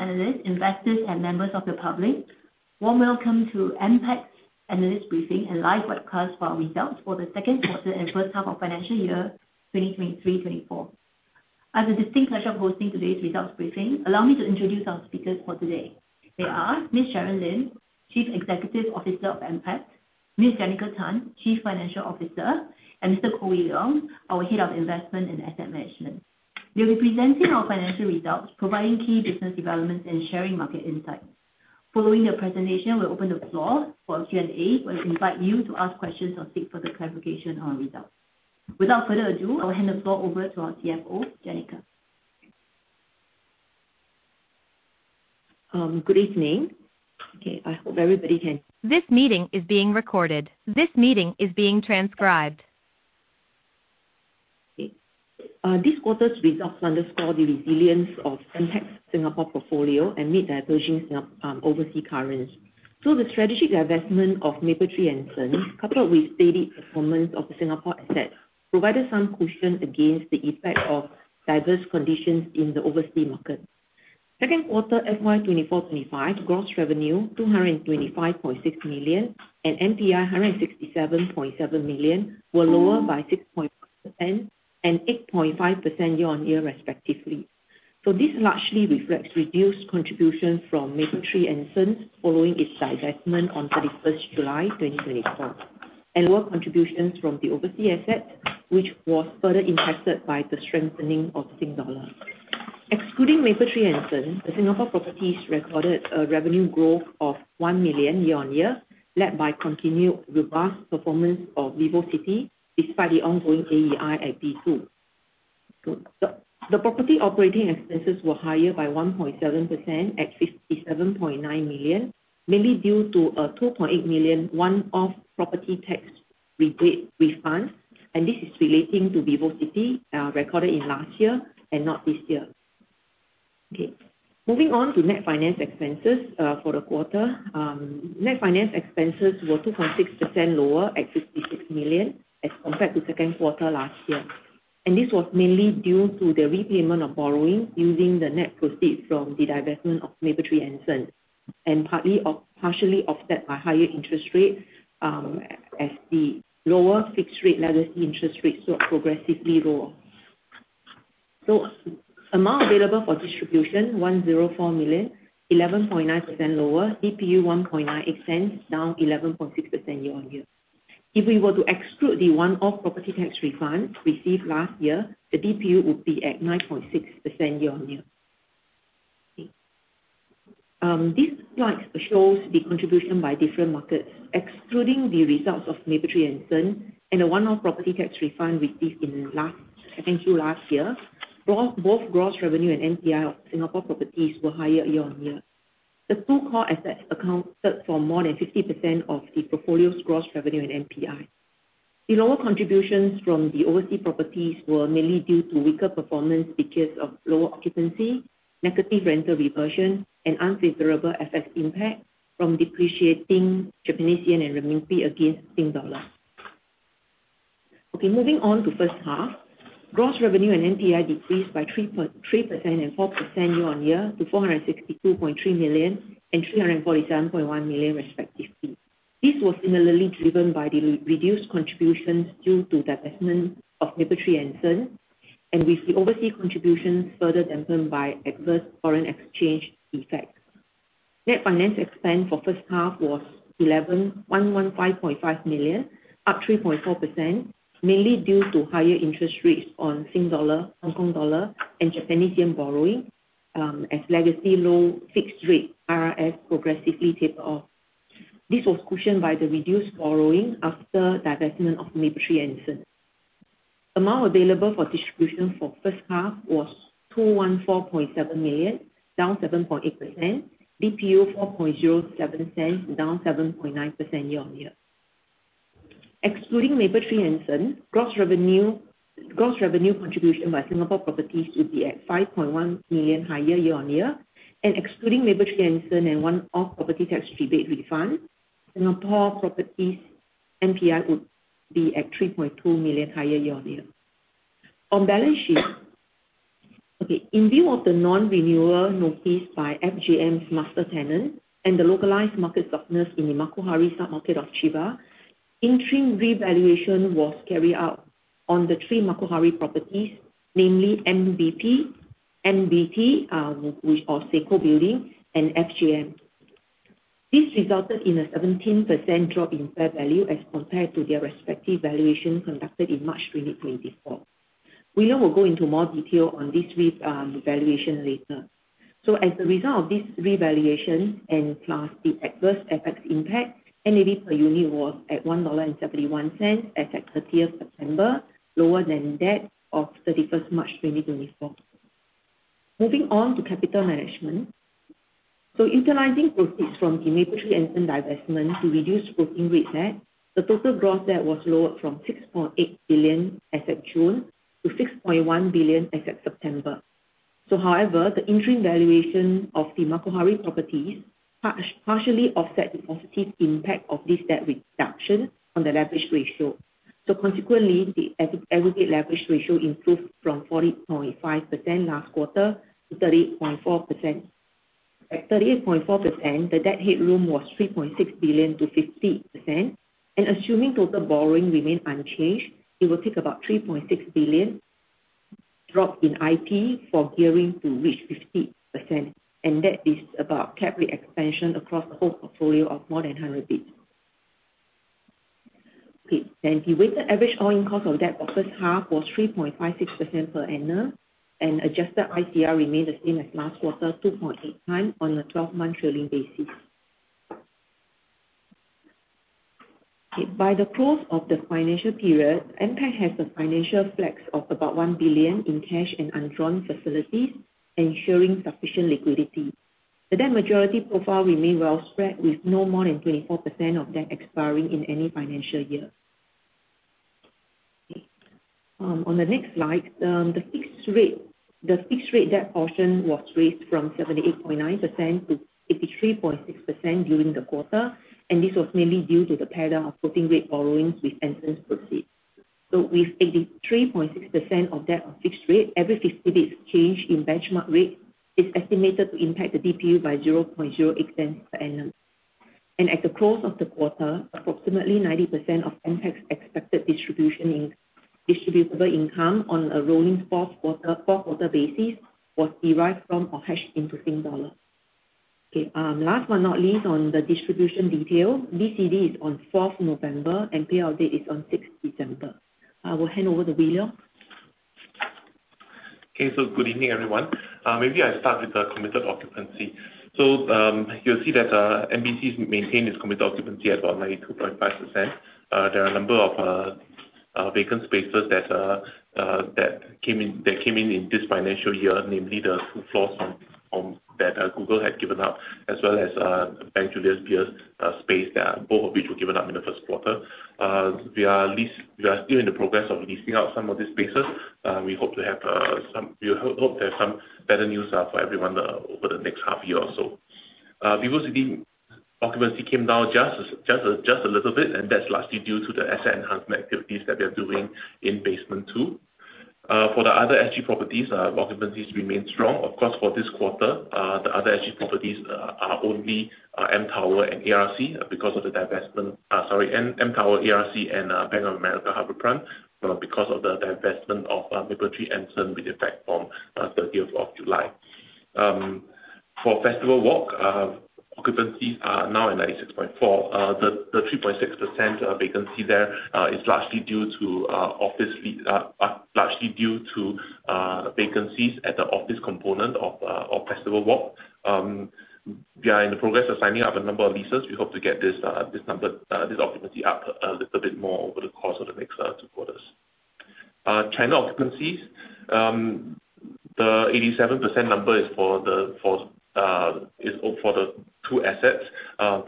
Good evening, esteemed analysts, investors, and members of the public. Warm welcome to MPACT's analyst briefing and live webcast for our results for the second quarter and first half of financial year 2023/2024. I have the distinct pleasure of hosting today's results briefing, allow me to introduce our speakers for today. They are Ms. Sharon Lim, Chief Executive Officer of MPACT, Ms. Janica Tan, Chief Financial Officer, and Mr. Koh Wee Leong, our Head of Investment and Asset Management. They'll be presenting our financial results, providing key business developments, and sharing market insights. Following the presentation, we'll open the floor for Q&A. We'll invite you to ask questions or seek further clarification on our results. Without further ado, I will hand the floor over to our CFO, Janica. Good evening. I hope everybody can- This meeting is being recorded. This meeting is being transcribed. This quarter's results underscore the resilience of MPACT's Singapore portfolio amid diverging Singapore- overseas currents. The strategic divestment of Mapletree Anson, coupled with steady performance of Singapore assets, provided some cushion against the effect of diverse conditions in the overseas market. Second quarter FY 2024/2025 gross revenue 225.6 million and NPI 167.7 million were lower by 6.10% and 8.5% year-on-year respectively. This largely reflects reduced contribution from Mapletree Anson following its divestment on 31st July 2024, and lower contributions from the overseas asset, which was further impacted by the strengthening of SGD. Excluding Mapletree Anson, the Singapore properties recorded a revenue growth of 1 million year-on-year, led by continued robust performance of VivoCity, despite the ongoing AEI at B2. The property operating expenses were higher by 1.7% at 57.9 million, mainly due to a 2.8 million one-off property tax rebate refund, and this is relating to VivoCity, recorded in last year and not this year. Moving on to net finance expenses for the quarter. Net finance expenses were 2.6% lower at 56 million as compared to second quarter last year. This was mainly due to the repayment of borrowing using the net proceeds from the divestment of Mapletree Anson, and partly or partially offset by higher interest rates, as the lower fixed rate legacy interest rates were progressively lower. Amount available for distribution, 104 million, 11.9% lower. DPU, 1.98, down 11.6% year-on-year. If we were to exclude the one-off property tax refund received last year, the DPU would be at 9.6% year-on-year. Okay. This slide shows the contribution by different markets. Excluding the results of Mapletree Anson and the one-off property tax refund received in last, I think through last year, both gross revenue and NPI of Singapore properties were higher year-on-year. The two core assets accounted for more than 50% of the portfolio's gross revenue and NPI. The lower contributions from the overseas properties were mainly due to weaker performance because of lower occupancy, negative rental reversion, and unfavorable FX impact from depreciating JPY and CNY against SGD. Moving on to first half. Gross revenue and NPI decreased by 3.3% and 4% year-over-year to 462.3 million and 347.1 million respectively. This was similarly driven by the reduced contributions due to divestment of Mapletree Anson, and with the overseas contributions further dampened by adverse foreign exchange effects. Net finance expense for first half was 115.5 million, up 3.4%, mainly due to higher interest rates on Singapore dollar, Hong Kong dollar, and Japanese yen borrowing, as legacy low fixed rate RRF progressively taper off. This was cushioned by the reduced borrowing after divestment of Mapletree Anson. Amount available for distribution for first half was 214.7 million, down 7.8%. DPU 0.0407, down 7.9% year-over-year. Excluding Mapletree Anson, gross revenue contribution by Singapore properties would be at 5.1 million higher year-on-year. Excluding Mapletree Anson and one-off property tax rebate refund, Singapore properties NPI would be at 3.2 million higher year-on-year. On balance sheet. In view of the non-renewal noticed by FGM's master tenant and the localized market softness in the Makuhari sub-market of Chiba, interim revaluation was carried out on the three Makuhari properties, namely MBP, MBT, which Seiko Building, and FGM. This resulted in a 17% drop in fair value as compared to their respective valuation conducted in March 2024. Wee Leong will go into more detail on these revaluation later. As a result of this revaluation and plus the adverse FX impact, NAV per unit was at 1.71 dollar as at 30th September, lower than that of 31st March 2024. Moving on to capital management. Utilizing proceeds from the Mapletree Anson divestment to reduce borrowing rate debt, the total gross debt was lowered from 6.8 billion as at June to 6.1 billion as at September. However, the interim valuation of the Makuhari properties partially offset the positive impact of this debt reduction on the leverage ratio. Consequently, the aggregate leverage ratio improved from 40.5% last quarter to 38.4%. At 38.4%, the debt headroom was 3.6 billion to 50%. Assuming total borrowing remain unchanged, it will take about 3.6 billion drop in NPI for gearing to reach 50%. That is about cap rate expansion across the whole portfolio of more than 100 basis points. Okay. The weighted average all-in cost of debt for first half was 3.56% per annum, and adjusted ICR remained the same as last quarter, 2.8x on a 12-month trailing basis. Okay. By the close of the financial period, MPACT has a financial flex of about 1 billion in cash and undrawn facilities, ensuring sufficient liquidity. The debt maturity profile remain well spread, with no more than 24% of debt expiring in any financial year. Okay. On the next slide, the fixed rate debt portion was raised from 78.9% to 83.6% during the quarter, and this was mainly due to the pair of floating rate borrowings with Mapletree Anson's proceeds. With 83.6% of debt on fixed rate, every 50 basis points change in benchmark rate is estimated to impact the DPU by 0.08 per annum. At the close of the quarter, approximately 90% of MPACT's expected distribution in distributable income on a rolling four-quarter basis was derived from a hedged SGD. Last but not least, on the distribution detail, DCD is on 4th November, and payout date is on 6th December. I will hand over to Wee Leong. Okay. Good evening, everyone. Maybe I start with the committed occupancy. You'll see that MBC's maintained its committed occupancy at about 92.5%. There are a number of vacant spaces that came in in this financial year, namely the two floors on that Google had given up, as well as Bank Julius Baer space that both of which were given up in the first quarter. We are still in the progress of leasing out some of these spaces. We hope there's some better news for everyone over the next half year or so. VivoCity occupancy came down just a little bit, and that's largely due to the asset enhancement activities that we are doing in Basement 2. For the other SG properties, occupancies remain strong. Of course, for this quarter, the other SG properties are only mTower and ERC because of the divestment. Sorry, mTower, ERC and Bank of America HarbourFront, because of the divestment of Mapletree Anson with effect from 30th of July. For Festival Walk, occupancies are now at 96.4. The 3.6% vacancy there is largely due to vacancies at the office component of Festival Walk. We are in the process of signing up a number of leases. We hope to get this number, this occupancy up a little bit more over the course of the next two quarters. China occupancies, the 87% number is for the, for, is for the two assets.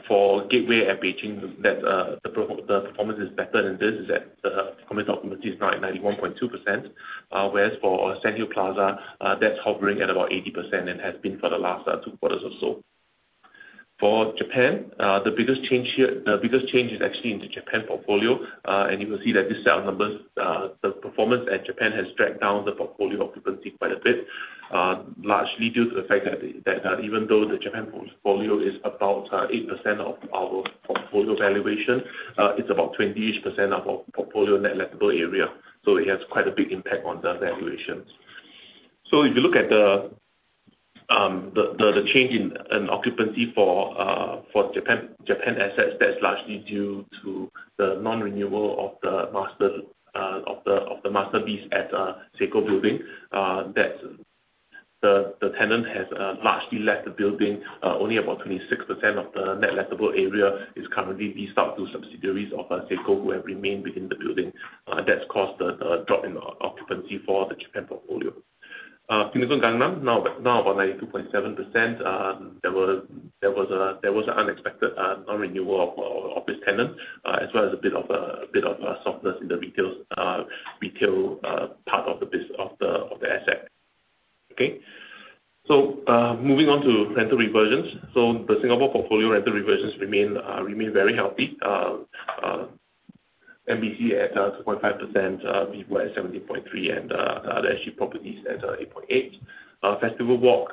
For Gateway and Beijing, that the performance is better than this is at the committed occupancy is now at 91.2%. Whereas for Sandhill Plaza, that's hovering at about 80% and has been for the last two quarters or so. For Japan, the biggest change is actually in the Japan portfolio. You will see that this set of numbers, the performance at Japan has dragged down the portfolio occupancy quite a bit, largely due to the fact that, even though the Japan portfolio is about 8% of our portfolio valuation, it's about 20-ish% of our portfolio net lettable area. It has quite a big impact on the valuations. If you look at the, the change in occupancy for Japan assets, that's largely due to the non-renewal of the master, of the, of the master lease at Seiko Building. That's the tenant has largely left the building. Only about 26% of the net lettable area is currently leased out to subsidiaries of Seiko, who have remained within the building. That's caused a drop in occupancy for the Japan portfolio. The Pinnacle Gangnam, now about 92.7%. There was an unexpected non-renewal of this tenant, as well as a bit of softness in the retail part of the asset. Moving on to rental reversions. The Singapore portfolio rental reversions remain very healthy. MBC at 2.5%, VivoCity at 17.3%, and the other SG properties at 8.8%. Festival Walk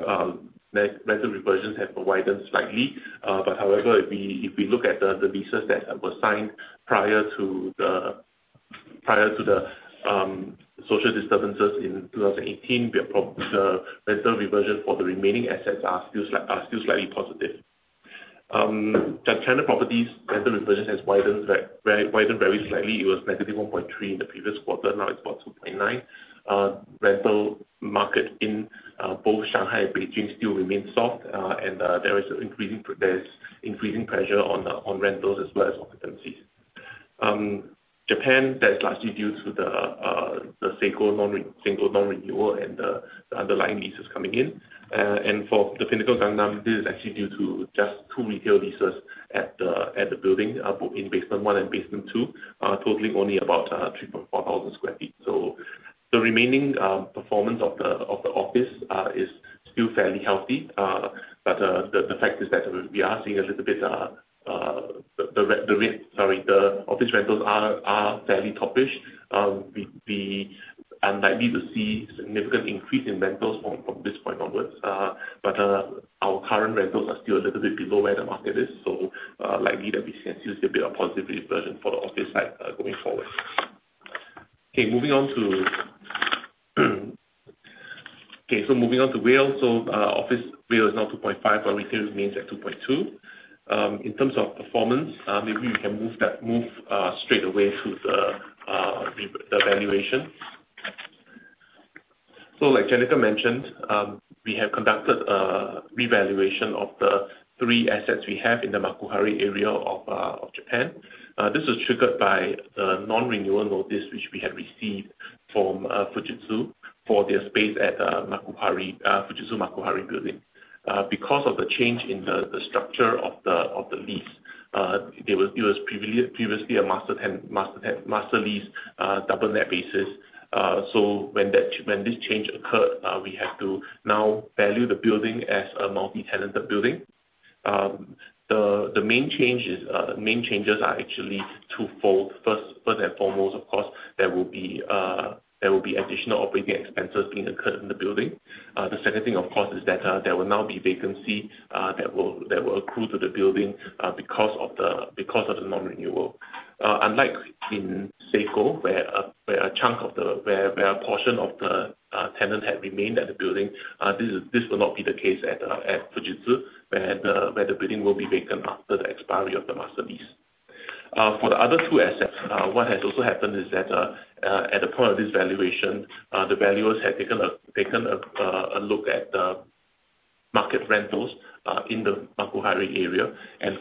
rental reversions have widened slightly. However, if we look at the leases that were signed prior to the social disturbances in 2018, the rental reversion for the remaining assets are still slightly positive. China properties, rental reversion has widened very slightly. It was -1.3 in the previous quarter. Now it's about 2.9. Rental market in both Shanghai and Beijing still remain soft. There is increasing pressure on rentals as well as occupancies. Japan, that's largely due to the Seiko non-renewal and the underlying leases coming in. For The Pinnacle Gangnam, this is actually due to just two retail leases at the building, both in Basement 1 and Basement 2, totaling only about 3,400 sq ft. The remaining performance of the office is still fairly healthy. But the fact is that we are seeing a little bit the rate. Sorry. The office rentals are fairly toppish. We unlikely to see significant increase in rentals from this point onwards. But our current rentals are still a little bit below where the market is. Likely that we can still see a bit of positive reversion for office side going forward. Moving on to WALE. Office WALE is now 2.5, while retail remains at 2.2. In terms of performance, maybe we can move straight away to the valuation. Like Janica mentioned, we have conducted a revaluation of the three assets we have in the Makuhari area of Japan. This was triggered by the non-renewal notice, which we had received from Fujitsu for their space at Makuhari, Fujitsu Makuhari Building. Because of the change in the structure of the lease, it was previously a master lease, double net basis. When this change occurred, we had to now value the building as a multi-tenanted building. The main change is, the main changes are actually twofold. First and foremost, of course, there will be additional operating expenses being incurred in the building. The second thing, of course, is that there will now be vacancy that will accrue to the building because of the non-renewal. Unlike in Seiko, where a portion of the tenant had remained at the building, this will not be the case at Fujitsu, where the building will be vacant after the expiry of the master lease. For the other two assets, what has also happened is that at the point of this valuation, the valuers have taken a look at the market rentals in the Makuhari area.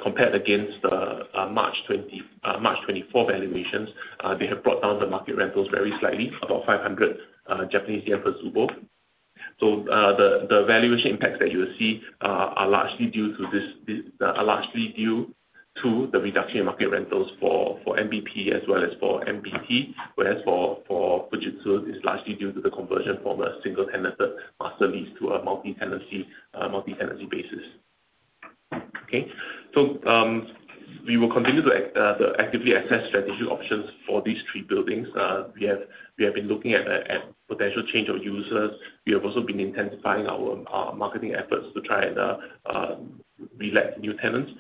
Compared against the March 24 valuations, they have brought down the market rentals very slightly, about 500 Japanese yen per tsubo. The valuation impacts that you will see are largely due to the reduction in market rentals for MBP as well as for MBT. Whereas for Fujitsu, it's largely due to the conversion from a single tenanted master lease to a multi-tenancy basis. Okay. We will continue to actively assess strategic options for these three buildings. We have been looking at potential change of users. We have also been intensifying our marketing efforts to try and relax new tenants.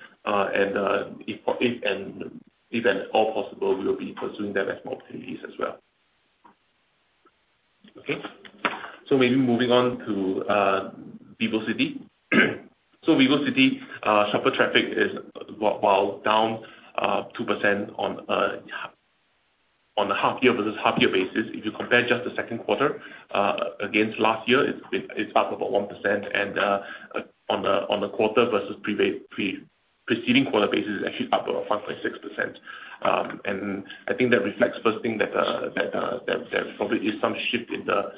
If at all possible, we will be pursuing them as more opportunities as well. Maybe moving on to VivoCity. VivoCity, shopper traffic is well down 2% on a half year versus half year basis. If you compare just the second quarter against last year, it's up about 1%. On the quarter versus preceding quarter basis, it's actually up about 5.6%. I think that reflects first thing that there probably is some shift in the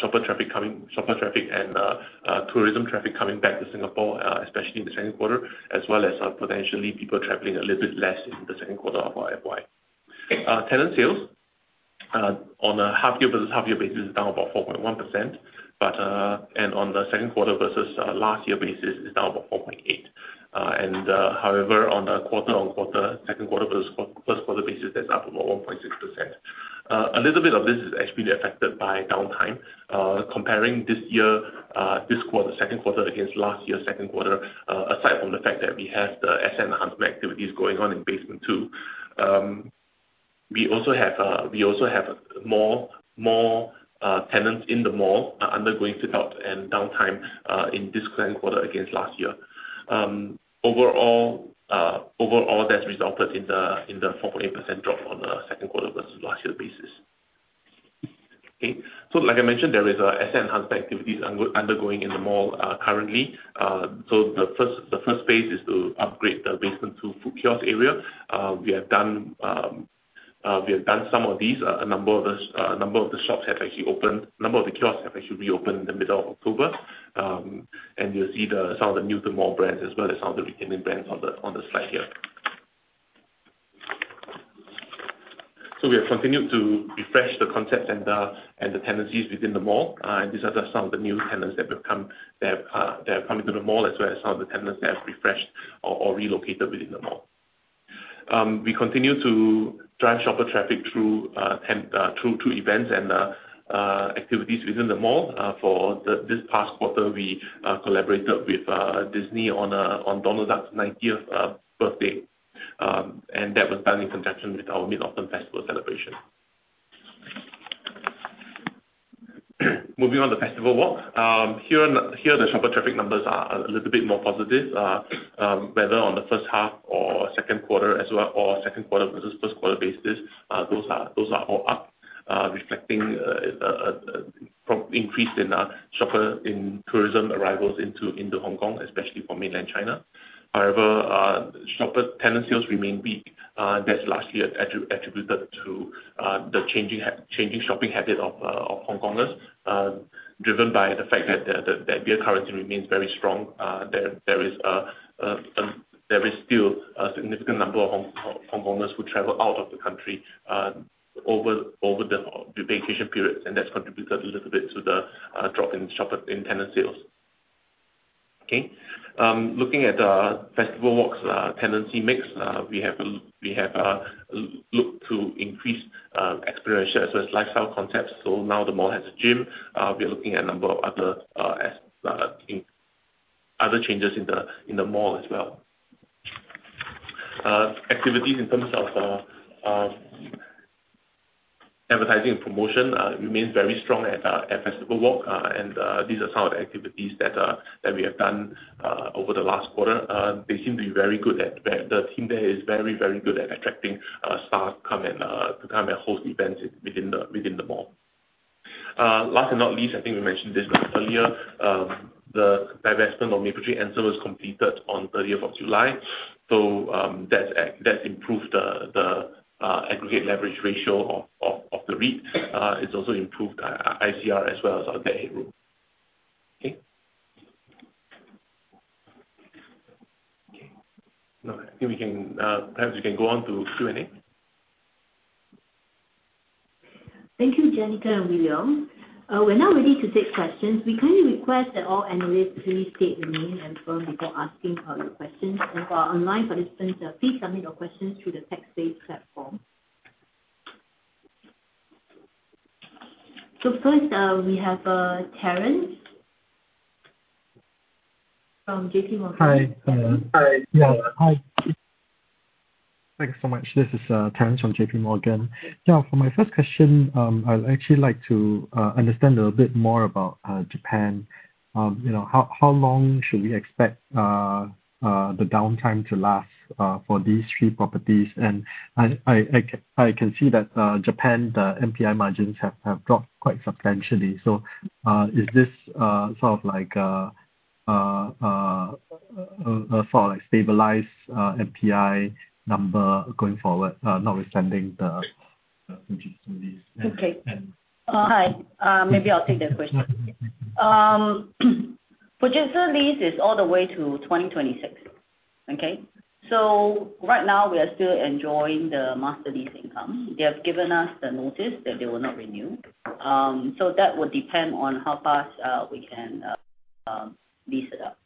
shopper traffic and tourism traffic coming back to Singapore, especially in the second quarter, as well as potentially people traveling a little bit less in the second quarter of our FY. Tenant sales, on a half year versus half year basis is down about 4.1%. On the second quarter versus last year basis, it's down about 4.8%. On a quarter on quarter, second quarter versus first quarter basis, that's up about 1.6%. A little bit of this is actually affected by downtime. Comparing this year, this quarter, second quarter against last year second quarter, aside from the fact that we have the asset enhancement activities going on in Basement 2, we also have more tenants in the mall undergoing fit-out and downtime in this current quarter against last year. Overall, that's resulted in the 4.8% drop on the second quarter versus last year basis. Like I mentioned, there is asset enhancement activities undergoing in the mall currently. The first phase is to upgrade the Basement 2 food kiosk area. We have done some of these. A number of the shops have actually opened. A number of the kiosks have actually reopened in the middle of October. You'll see some of the new to mall brands, as well as some of the returning brands on the slide here. We have continued to refresh the concept and the tenancies within the mall. These are just some of the new tenants that are coming to the mall, as well as some of the tenants that have refreshed or relocated within the mall. We continue to drive shopper traffic through two events and activities within the mall. For this past quarter, we collaborated with Disney on Donald Duck's 90th birthday. That was done in conjunction with our Mid-Autumn Festival celebration. Moving on to Festival Walk. Here the shopper traffic numbers are a little bit more positive. Whether on the 1st half or 2nd quarter as well, or 2nd quarter versus 1st quarter basis, those are all up, reflecting increase in shopper, in tourism arrivals into Hong Kong, especially for mainland China. However, shopper tenant sales remain weak. That's largely attributed to the changing shopping habit of Hongkongers, driven by the fact that their currency remains very strong. There is still a significant number of homeowners who travel out of the country over the vacation periods, and that's contributed a little bit to the drop in shopper in tenant sales. Okay. Looking at Festival Walk's tenancy mix, we have looked to increase experiential as well as lifestyle concepts. Now the mall has a gym. We're looking at a number of other changes in the mall as well. Activities in terms of advertising and promotion remains very strong at Festival Walk. These are some of the activities that we have done over the last quarter. The team there is very good at attracting staff to come and host events within the mall. Last but not least, I think we mentioned this a bit earlier, the divestment of Mapletree Anson was completed on 30th of July. That's improved the aggregate leverage ratio of the REIT. It's also improved ICR as well as our debt headroom. Okay. Okay. I think we can perhaps we can go on to Q&A. Thank you, Janica and Wee Leong. We're now ready to take questions. We kindly request that all analysts please state their name and firm before asking your questions. For our online participants, please submit your questions through the Text-to-Speech platform. First, we have Terence from J.P. Morgan. Hi. Hi. Yeah. Hi. Thank you so much. This is Terence from J.P. Morgan. Now, for my first question, I'd actually like to understand a little bit more about Japan. You know, how long should we expect the downtime to last for these three properties? I can see that Japan, the NPI margins have dropped quite substantially. Is this sort of like a stabilized NPI number going forward, notwithstanding the Fujitsu lease and? Hi. Maybe I'll take that question. Fujitsu lease is all the way to 2026. Right now we are still enjoying the master lease income. They have given us the notice that they will not renew. That would depend on how fast we can lease it up.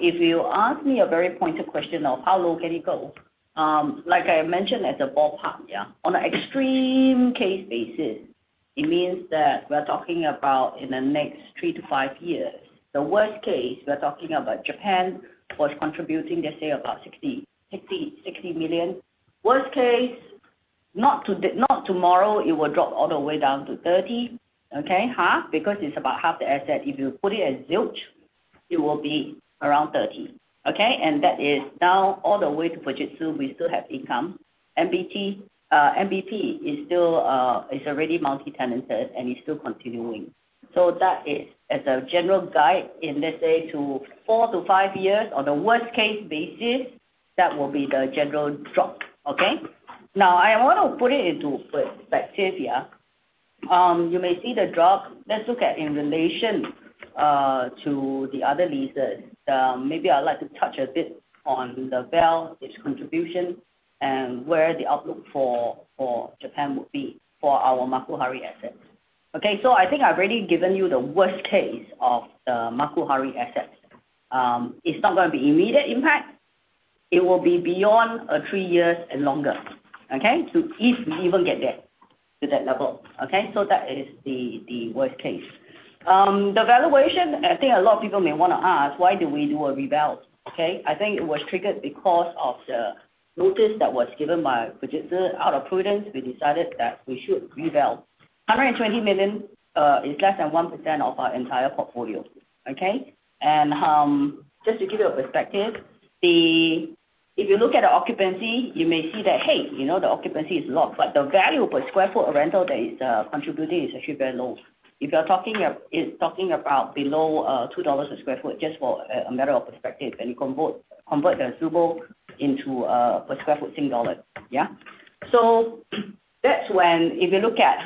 If you ask me a very pointed question of how low can it go, like I mentioned as a ballpark, yeah, on an extreme case basis, it means that we are talking about in the next three-to-five years. The worst case, we are talking about Japan was contributing, let's say about 60 million. Worst case, it will drop all the way down to 30 million, half, because it's about half the asset. If you put it at zilch, it will be around 30. That is now all the way to Fujitsu, we still have income. MBT is already multi-tenanted and is still continuing. That is as a general guide in, let's say to four to five years on a worst case basis, that will be the general drop. I want to put it into perspective here. You may see the drop. Let's look at in relation to the other leases. Maybe I'd like to touch a bit on its contribution and where the outlook for Japan would be for our Makuhari assets. I think I've already given you the worst case of the Makuhari assets. It's not gonna be immediate impact. It will be beyond three years and longer. To if we even get there, to that level, okay? That is the worst case. The valuation, I think a lot of people may wanna ask, why do we do a reval? Okay. I think it was triggered because of the notice that was given by Fujitsu. Out of prudence, we decided that we should reval. 120 million is less than 1% of our entire portfolio, okay? Just to give you a perspective, if you look at the occupancy, you may see that, hey, you know, the occupancy is locked, but the value per square foot of rental that is contributing is actually very low. If you are talking about below 2 dollars a sq ft, just for a matter of perspective, and you convert the tsubo into per sq ft in SGD. That's when if you look at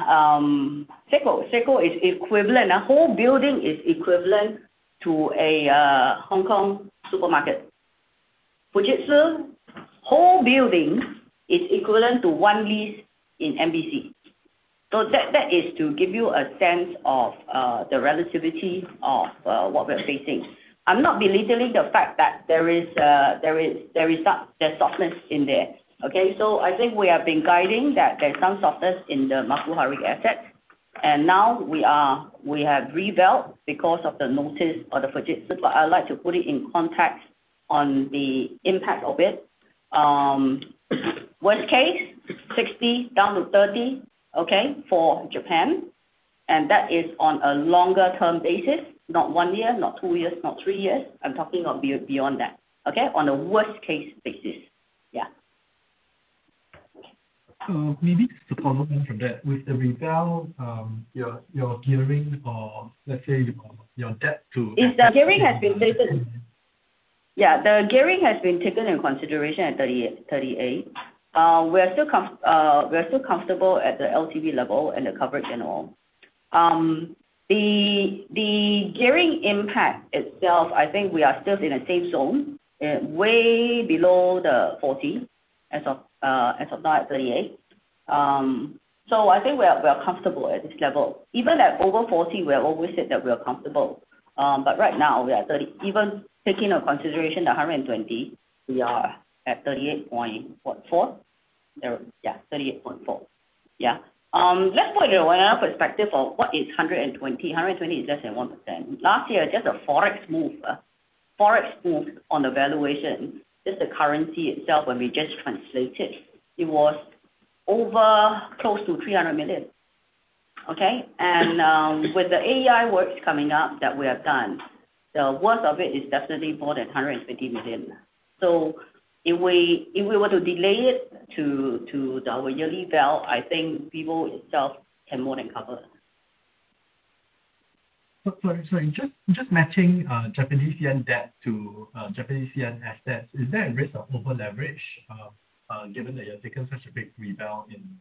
Seiko. A whole building is equivalent to a Hong Kong supermarket. Fujitsu, whole building is equivalent to one lease in MBC. That is to give you a sense of the relativity of what we are facing. I'm not belittling the fact that there is softness in there, okay? I think we have been guiding that there's some softness in the Makuhari asset, and now we have reval because of the notice of the Fujitsu. I'd like to put it in context on the impact of it. Worst case, 60 down to 30, okay, for Japan. That is on a longer-term basis, not one year, not two years, not three years. I'm talking of beyond that, okay? On a worst case basis. Yeah. Okay, maybe just to follow on from that. With the retail, your gearing or let's say your debt to- Is the gearing has been taken? The gearing has been taken in consideration at 38. We are still comfortable at the LTV level and the coverage in all. The gearing impact itself, I think we are still in a safe zone, way below the 40 as of now at 38. I think we are comfortable at this level. Even at over 40, we have always said that we are comfortable. Right now we are 30. Even taking into consideration the 120, we are at 38.4? 38.4. Let's put it in another perspective of what is 120. 120 is less than 1%. Last year just a Forex move, Forex move on the valuation, just the currency itself when we just translate it was over close to 300 million. Okay? With the AEI works coming up that we have done, the worth of it is definitely more than 150 million. If we were to delay it to our yearly val, I think Vivo itself can more than cover. Just matching, Japanese yen debt to Japanese yen assets, is there a risk of over-leverage, given that you have taken such a big bet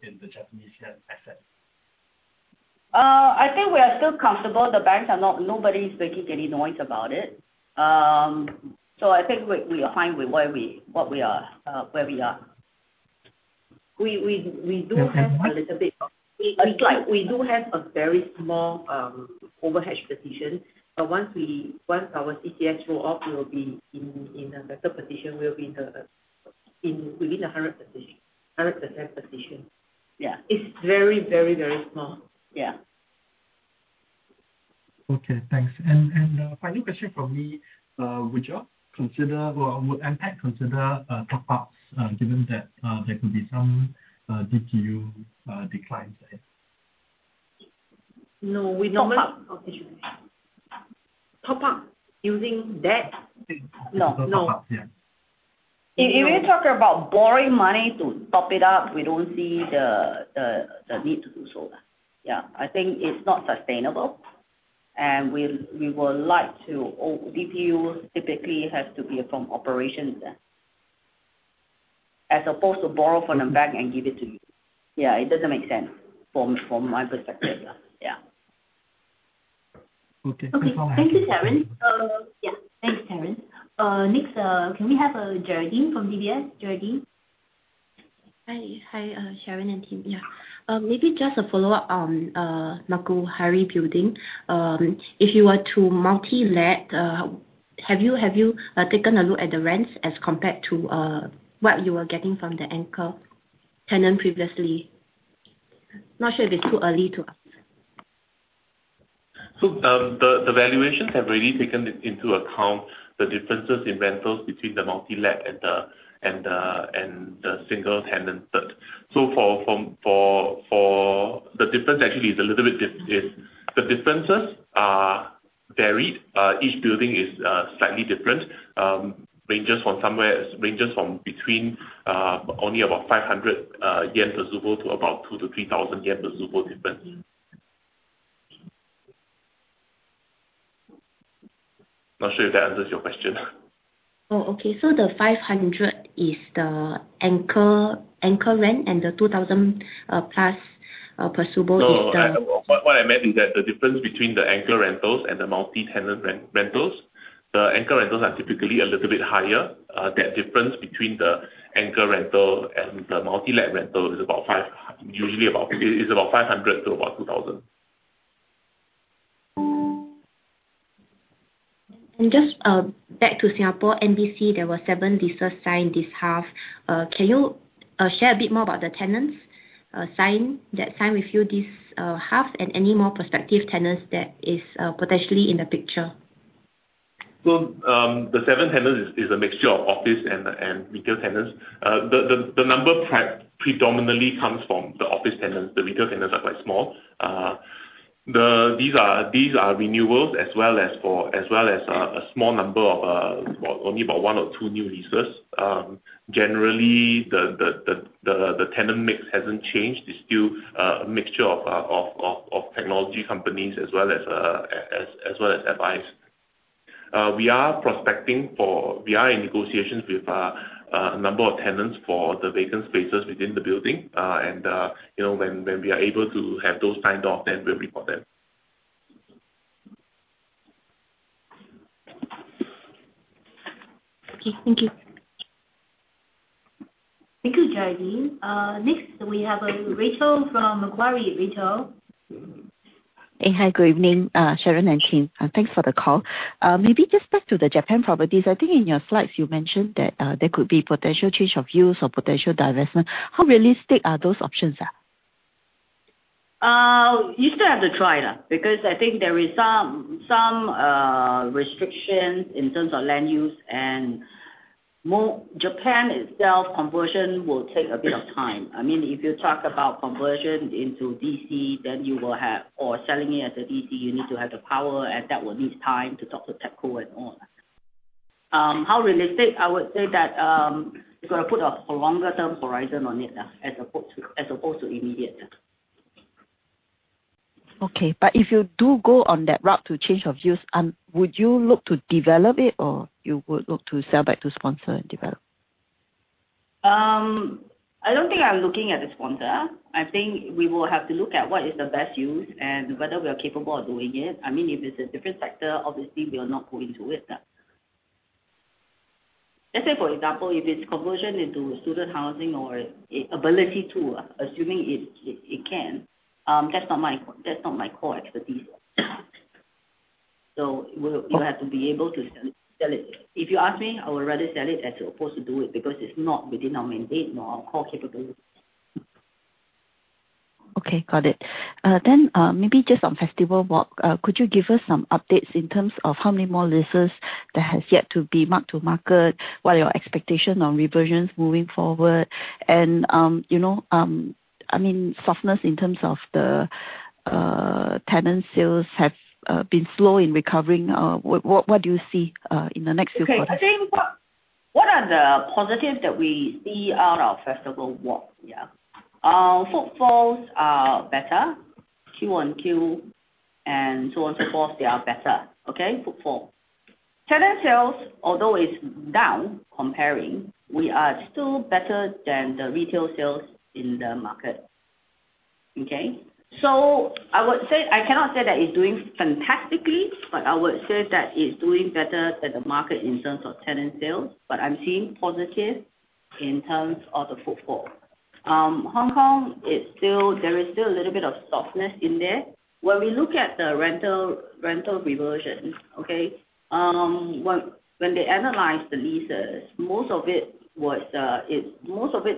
in the Japanese yen assets? I think we are still comfortable. Nobody's making any noise about it. I think we are fine with where we, what we are, where we are. Okay We do have a very small overhedge position, but once our CCS roll off, we will be in a better position. We'll be within a 100% position. Yeah. It's very small. Yeah. Okay, thanks. Final question from me. Would MPACT consider top-ups, given that there could be some DPU declines ahead? No. Top up. Oh, excuse me. Top-up using debt? I think top-up. No. No. Top-up, yeah. If you're talking about borrowing money to top it up, we don't see the need to do so. I think it's not sustainable, and we would like to DPU typically has to be from operations, as opposed to borrow from the bank and give it to you. It doesn't make sense from my perspective. Okay. Okay. Thank you, Sharon. Yeah. Thanks, Sharon. Next, can we have Geraldine from DBS? Geraldine. Hi. Hi, Sharon and team. Yeah. Maybe just a follow-up on Makuhari building. If you were to multi-let, have you taken a look at the rents as compared to what you were getting from the anchor tenant previously? Not sure if it's too early to ask. The valuations have really taken it into account, the differences in rentals between the multi-let and the single tenant. For The difference actually is a little bit The differences are varied. Each building is slightly different. ranges from between only about 500 yen per tsubo to about 2,000-3,000 yen per tsubo difference. Not sure if that answers your question. Oh, okay. The 500 is the anchor rent, and the 2,000 plus per tsubo. No, what I meant is that the difference between the anchor rentals and the multi-tenant rentals. The anchor rentals are typically a little bit higher. That difference between the anchor rental and the multi-let rental usually about is about 500 to about 2,000. Just back to Singapore MBC, there were seven leases signed this half. Can you share a bit more about the tenants signed with you this half and any more prospective tenants that is potentially in the picture? The seven tenants is a mixture of office and retail tenants. The number predominantly comes from the office tenants. The retail tenants are quite small. These are renewals as well as a small number of one or two new leases. Generally, the tenant mix hasn't changed. It's still a mixture of technology companies as well as FIs. We are in negotiations with a number of tenants for the vacant spaces within the building. You know, when we are able to have those signed off, then we'll report them. Okay. Thank you. Thank you, Geraldine. Next we have Rachel from Macquarie. Rachel. Hey. Hi, good evening, Sharon and team. Thanks for the call. Maybe just back to the Japan properties. I think in your slides you mentioned that there could be potential change of use or potential divestment. How realistic are those options are? You still have to try that because I think there is some restrictions in terms of land use and Japan itself conversion will take a bit of time. I mean, if you talk about conversion into DC, or selling it as a DC, you need to have the power, and that will need time to talk to TEPCO and all. How realistic? I would say that you've got to put a longer term horizon on it, as opposed to immediate. Okay. If you do go on that route to change of use, would you look to develop it or you would look to sell back to sponsor and develop? I don't think I'm looking at the sponsor. I think we will have to look at what is the best use and whether we are capable of doing it. I mean, if it's a different sector, obviously we are not going to it. Let's say, for example, if it's conversion into student housing or ability to, assuming it can, that's not my core expertise. We'll have to be able to sell it. If you ask me, I would rather sell it as opposed to do it because it's not within our mandate nor our core capabilities. Okay, got it. Maybe just on Festival Walk, could you give us some updates in terms of how many more leases that has yet to be marked to market? What are your expectation on reversions moving forward? You know, I mean, softness in terms of the tenant sales have been slow in recovering. What do you see in the next few quarters? Okay. I think what are the positives that we see out of Festival Walk, yeah. Footfalls are better. Q-on-Q and so on so forth, they are better. Okay. Footfall. Tenant sales, although is down comparing, we are still better than the retail sales in the market. Okay. I would say I cannot say that it's doing fantastically, but I would say that it's doing better than the market in terms of tenant sales. I'm seeing positive in terms of the footfall. Hong Kong is still, there is still a little bit of softness in there. When we look at the rental reversion, okay, when they analyze the leases, Most of it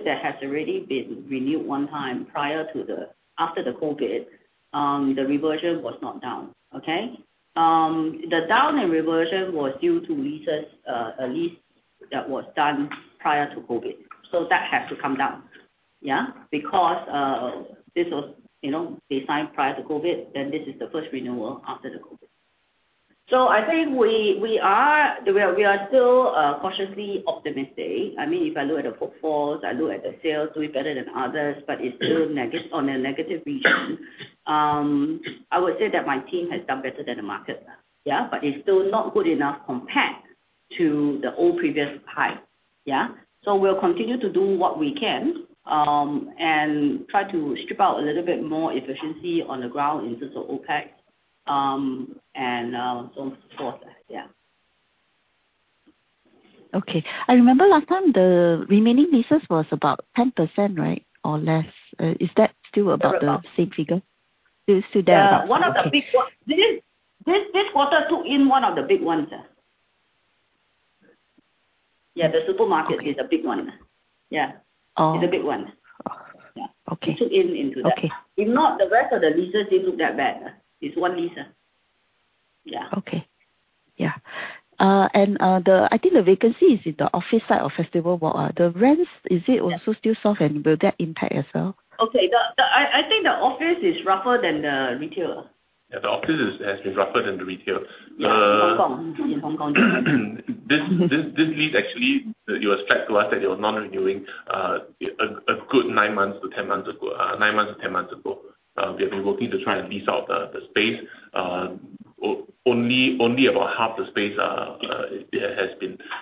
that has already been renewed 1 time after the COVID, the reversion was not down. Okay. The down in reversion was due to leases, a lease that was done prior to COVID. That has to come down. Yeah. Because this was, you know, they signed prior to COVID, then this is the first renewal after the COVID. I think we are still cautiously optimistic. I mean, if I look at the footfalls, I look at the sales, doing better than others, but it's still on a negative region. I would say that my team has done better than the market. Yeah. It's still not good enough compared to the old previous high. Yeah. We'll continue to do what we can, and try to strip out a little bit more efficiency on the ground in terms of OpEx, and so on and so forth. Yeah. Okay. I remember last time the remaining leases was about 10%, right? Or less. Is that still about? Around about same figure? It's still there. Yeah. Okay. One of the big one This is, this quarter took in one of the big ones. Yeah, the supermarket. Okay is a big one. Yeah. Oh. It's a big one. Oh, okay. Yeah. Okay. Took in into that. Okay. If not, the rest of the leases didn't look that bad. It's one lease. Yeah. Okay. Yeah. I think the vacancy is in the office side of Festival Walk. Yeah still soft, and will that impact as well? Okay. I think the office is rougher than the retail. Yeah. The office has been rougher than the retail. Yeah. In Hong Kong. In Hong Kong. Yeah. This lease actually, it was tracked to us that they were not renewing a good 9 months-10 months ago. 9 months-10 months ago. We have been working to try and lease out the space. Only about half the space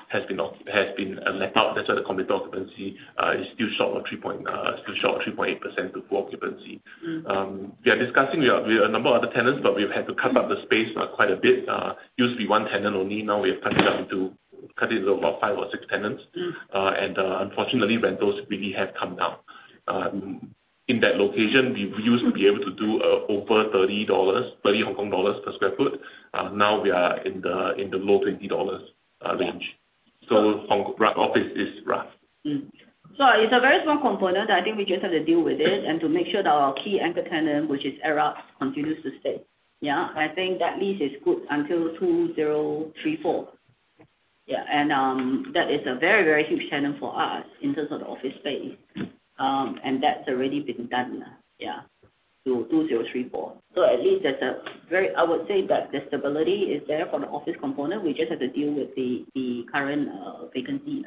has been let out. That's why the committed occupancy is still short on 3.8% to full occupancy. We are discussing. We have a number of other tenants, but we've had to cut up the space quite a bit. Used to be 1 tenant only. Now we have cut it into about five or six tenants. Unfortunately rentals really have come down. In that location we used to be able to do over 30 dollars per square foot. Now we are in the low 20 dollars range. Yeah. Hong Right. Office is rough. It's a very small component. I think we just have to deal with it and to make sure that our key anchor tenant, which is Arup, continues to stay. I think that lease is good until 2034. That is a very, very huge tenant for us in terms of the office space. That's already been done. Till 2034. At least there's a very I would say that the stability is there for the office component. We just have to deal with the current vacancy.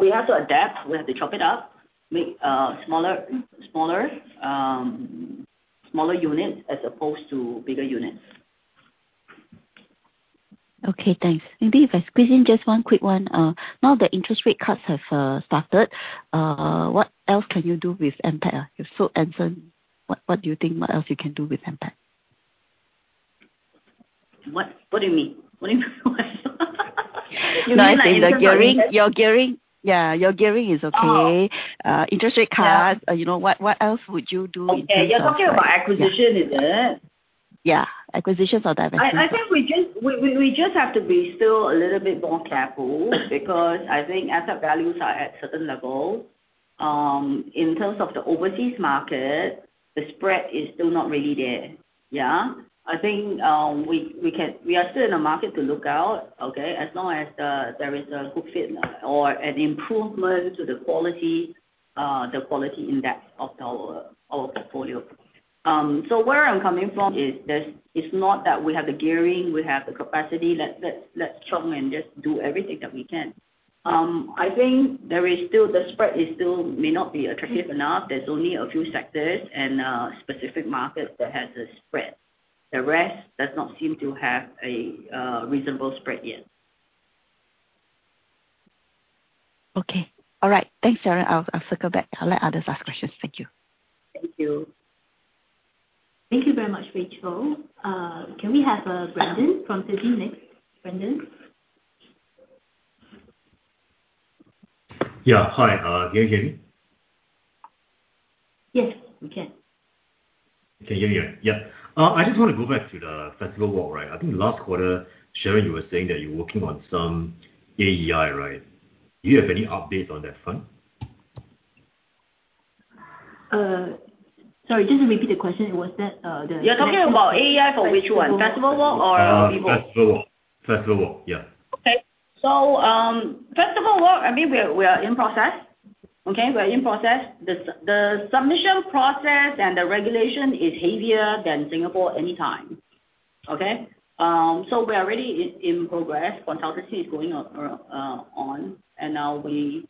We have to adapt. We have to chop it up, make smaller units as opposed to bigger units. Okay, thanks. Maybe if I squeeze in just one quick one. Now the interest rate cuts have started, what else can you do with MPACT? You've sold Mapletree Anson. What do you think, what else you can do with MPACT? What do you mean? What do you mean? You mean like in terms of- No, I think the gearing, your gearing. Yeah. Your gearing is okay. Oh. interest rate cuts Yeah You know, what else would you do? Okay. You're talking about acquisition. Yeah isn't it? Yeah. Acquisitions or divestment. I think we just have to be still a little bit more careful because I think asset values are at certain level. Yeah. I think We are still in a market to look out, okay, as long as there is a good fit or an improvement to the quality in depth of our portfolio. So where I'm coming from is this, it's not that we have the gearing, we have the capacity, let's chunk and just do everything that we can. I think there is still The spread is still may not be attractive enough. There's only a few sectors and specific markets that has a spread. The rest does not seem to have a reasonable spread yet. Okay. All right. Thanks, Sharon. I'll circle back. I'll let others ask questions. Thank you. Thank you. Thank you very much, Rachel. Can we have Brandon from Citi next? Brandon? Yeah. Hi. Can you hear me? Yes, we can. You can hear me, right? Yeah. I just wanna go back to the Festival Walk, right? I think last quarter, Sharon, you were saying that you're working on some AEI, right? Do you have any updates on that front? Sorry, just repeat the question. You're talking about AEI for which one? Festival Walk. Festival Walk or Vivo? Festival Walk, yeah. Festival Walk, I mean, we are in process. We are in process. The submission process and the regulation is heavier than Singapore anytime. We are already in progress. Consultancy is going on, and now we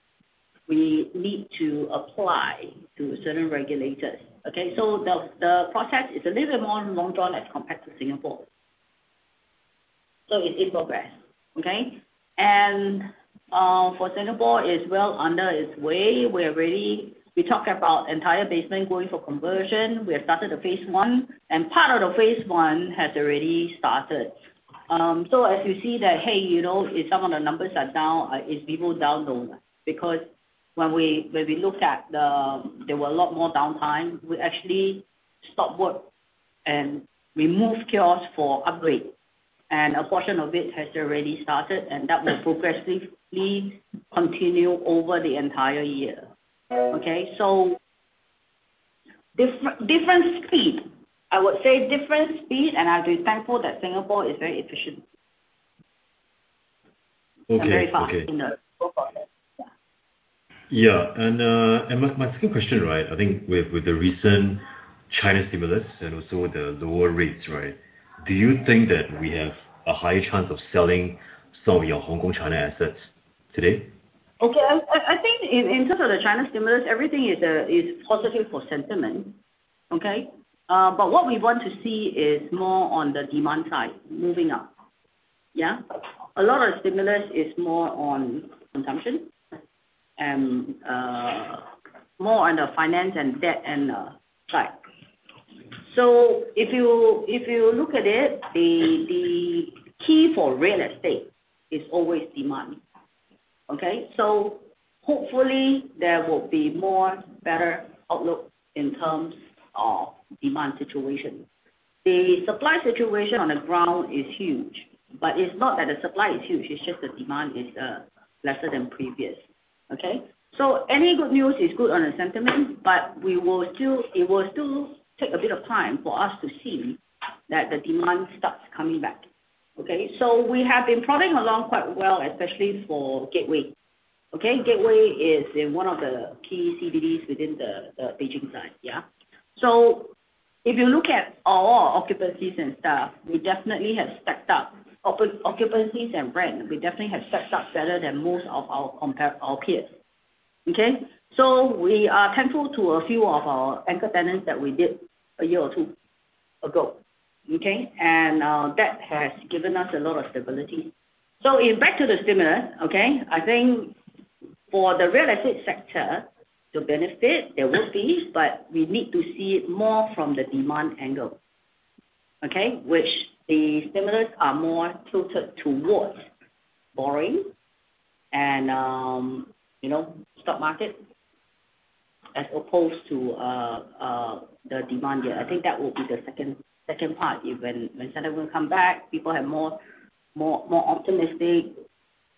need to apply to certain regulators. The process is a little more long drawn as compared to Singapore. It's in progress. For Singapore, it's well under its way. We're ready. We talked about entire basement going for conversion. We have started the phase I, and part of the phase I has already started. As you see that, you know, if some of the numbers are down, it's Vivo down though. There were a lot more downtime. We actually stopped work and removed kiosks for upgrade. A portion of it has already started, and that will progressively continue over the entire year. Okay? I would say different speed, and I'll be thankful that Singapore is very efficient. Okay. Very fast in the go process. Yeah. Yeah. My second question, right, I think with the recent China stimulus and also the lower rates, right, do you think that we have a high chance of selling some of your Hong Kong, China assets today? Okay. I think in terms of the China stimulus, everything is positive for sentiment. Okay. What we want to see is more on the demand side moving up. Yeah. A lot of stimulus is more on consumption and more on the finance and debt and side. If you look at it, the key for real estate is always demand. Okay. Hopefully there will be more better outlook in terms of demand situation. The supply situation on the ground is huge, but it's not that the supply is huge, it's just the demand is lesser than previous. Okay. Any good news is good on the sentiment, but it will still take a bit of time for us to see that the demand starts coming back. Okay. We have been prodding along quite well, especially for Gateway. Okay? Gateway is in one of the key CBDs within the Beijing side. Yeah. If you look at all our occupancies and stuff, we definitely have stacked up. Occupancies and rent, we definitely have stacked up better than most of our compare our peers. Okay? We are thankful to a few of our anchor tenants that we did a year or two ago. Okay? That has given us a lot of stability. In back to the stimulus, okay, I think for the real estate sector to benefit, there will be, but we need to see it more from the demand angle. Okay? Which the stimulus are more tilted towards borrowing and, you know, stock market as opposed to the demand yet. I think that will be the second part. If when sentiment come back, people have more optimistic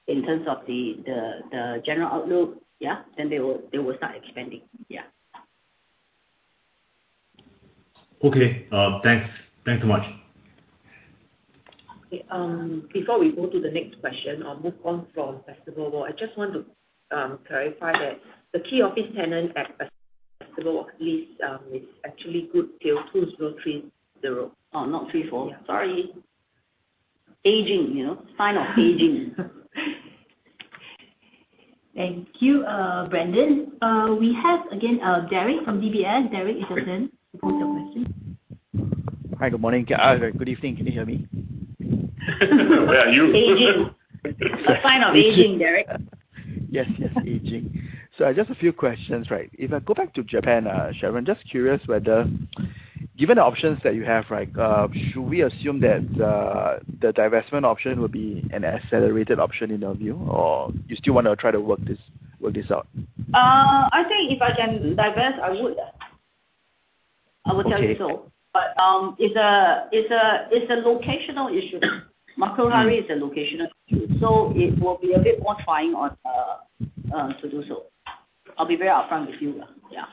in terms of the general outlook, yeah, then they will start expanding. Yeah. Okay. Thanks so much. Before we go to the next question or move on from Festival Walk, I just want to clarify that the key office tenant at Festival Walk lease is actually good till 2030. Oh, not three four. Yeah. Sorry. Aging, you know? Sign of aging. Thank you, Brandon. We have again, Derek from DBS. Derek Edison, to put your question. Hi, good morning. Good evening. Can you hear me? Where are you? Aging. A sign of aging, Derek. Yes, yes, aging. Just a few questions, right? If I go back to Japan, Sharon, just curious whether, given the options that you have, right, should we assume that the divestment option will be an accelerated option in your view, or you still wanna try to work this out? I think if I can divest, I would. I will tell you so. Okay. It's a locational issue. Makuhari is a locational issue, so it will be a bit more trying to do so. I'll be very upfront with you. Yeah.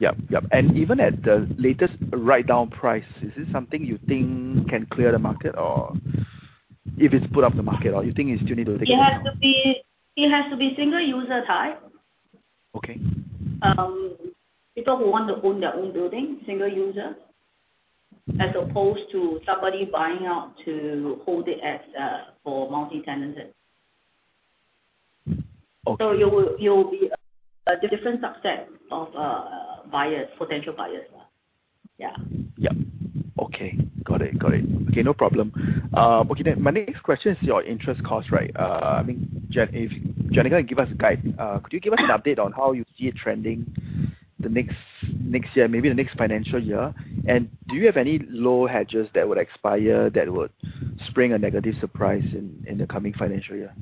Yep. Yep. Even at the latest write-down price, is this something you think can clear the market or if it's put up the market or you think it still need to take it down? It has to be single user type. Okay. People who want to own their own building, single user, as opposed to somebody buying out to hold it as for multi-tenanted. You will be a different subset of buyers, potential buyers. Yep. Okay. Got it. Got it. Okay, no problem. Okay then, my next question is your interest cost, right? I mean, Janica, give us a guide. Could you give us an update on how you see it trending the next year, maybe the next financial year? Do you have any low hedges that would expire, that would spring a negative surprise in the coming financial year?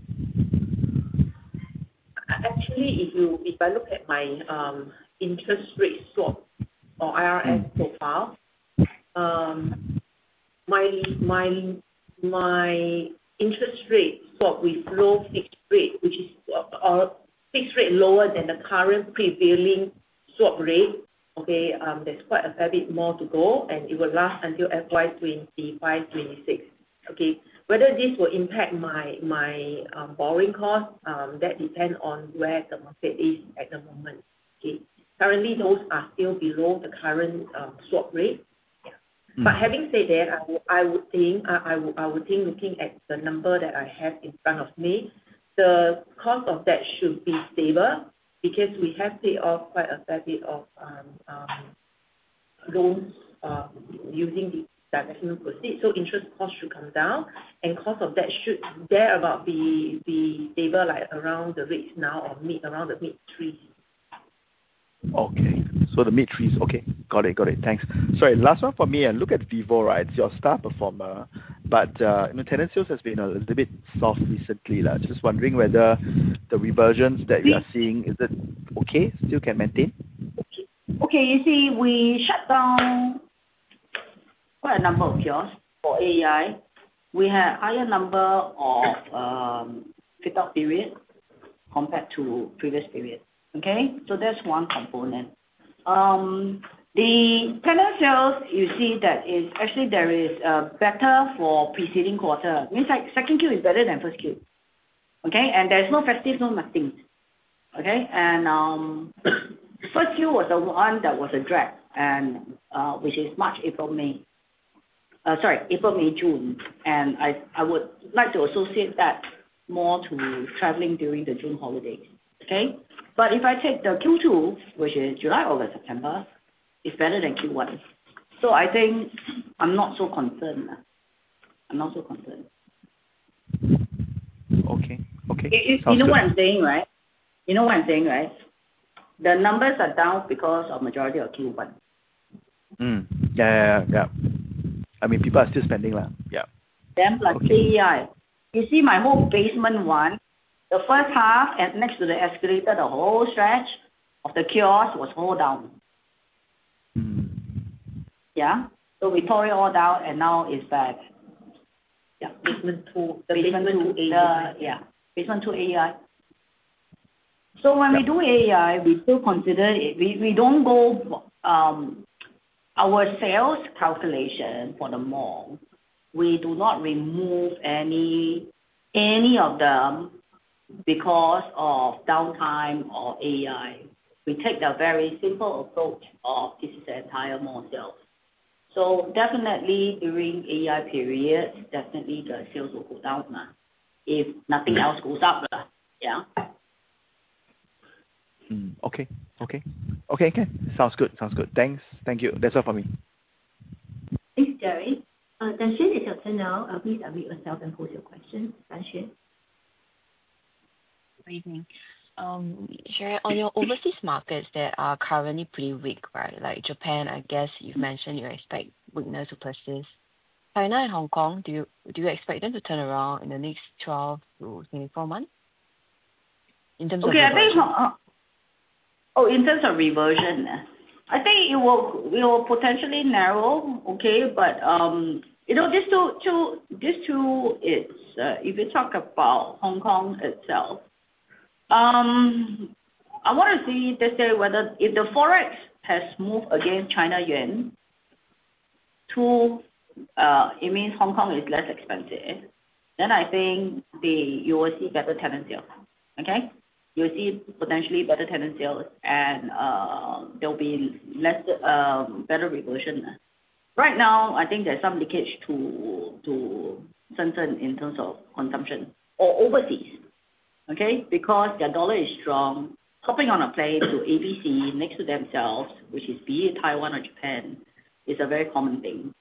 Actually, if I look at my Interest Rate Swap or IRS profile, my Interest Rate Swap with low fixed rate, which is fixed rate lower than the current prevailing swap rate, there's quite a fair bit more to go, and it will last until FY 2025, 2026. Whether this will impact my borrowing cost, that depends on where the market is at the moment. Currently, those are still below the current swap rate. Having said that, I would think, I would think looking at the number that I have in front of me, the cost of that should be stable because we have paid off quite a fair bit of loans using the directional proceeds. Interest cost should come down, and cost of debt should thereabout be stable at around the rates now or around the mid-threes. Okay. The mid-threes. Okay. Got it. Got it. Thanks. Sorry, last one for me. I look at Vivo, right? It's your star performer. You know, tenant sales has been a little bit soft recently. I'm just wondering whether the reversions that we are seeing, is it okay, still can maintain? Okay. You see, we shut down quite a number of kiosks for AEI. We had higher number of fit-out period compared to previous period. That's one component. The tenant sales, you see that is actually, there is better for preceding quarter. Means like second Q is better than first Q. There's no festive, no nothing. First Q was the one that was a drag, which is March, April, May. Sorry, April, May, June. I would like to associate that more to traveling during the June holiday. If I take the Q2, which is July, August, September, it's better than Q1. I think I'm not so concerned. Okay. Okay. Sounds good. You know what I'm saying, right? You know what I'm saying, right? The numbers are down because of majority of Q1. Yeah. Yeah. I mean, people are still spending. Yeah. Plus AEI. You see my whole Basement 1, the first half and next to the escalator, the whole stretch of the kiosks was all down. Yeah. We tore it all down, and now it's back. Yeah. Basement 2. The Basement 2 AEI. Basement 2 AEI. When we do AEI, we still consider it. Our sales calculation for the mall, we do not remove any of them because of downtime or AEI. We take the very simple approach of this is the entire mall sales. Definitely during AEI period, definitely the sales will go down if nothing else goes up. Okay, can. Sounds good. Thanks. Thank you. That's all for me. Thanks, Derek. Tan Hsien, it's your turn now. Please unmute yourself and pose your question. Tan Hsien? Good evening. Sharon, on your overseas markets that are currently pretty weak, right, like Japan, I guess you've mentioned you expect weakness to persist. China and Hong Kong, do you expect them to turn around in the next 12 to 24 months in terms of reversion? I think, in terms of reversion. I think it will, it will potentially narrow. You know, these two, these two, it's, if you talk about Hong Kong itself, I want to see, whether if the FX has moved against CNY to It means Hong Kong is less expensive, then I think You will see better tenant sales. You will see potentially better tenant sales and, there will be less, better reversion. Right now, I think there is some leakage to Shenzhen in terms of consumption or overseas. Because their dollar is strong. Hopping on a plane to ABC next to themselves, which is be it Taiwan or Japan, is a very common thing.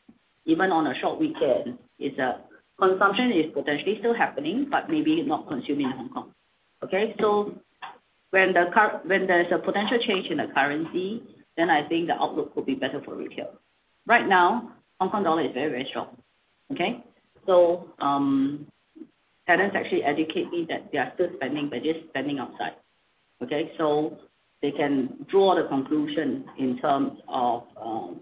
Even on a short weekend, it's a Consumption is potentially still happening, but maybe not consuming in Hong Kong. When there's a potential change in the currency, then I think the outlook will be better for retail. Right now, Hong Kong dollar is very, very strong. Okay. Tenants actually educate me that they are still spending, but they're spending outside. Okay. They can draw the conclusion in terms of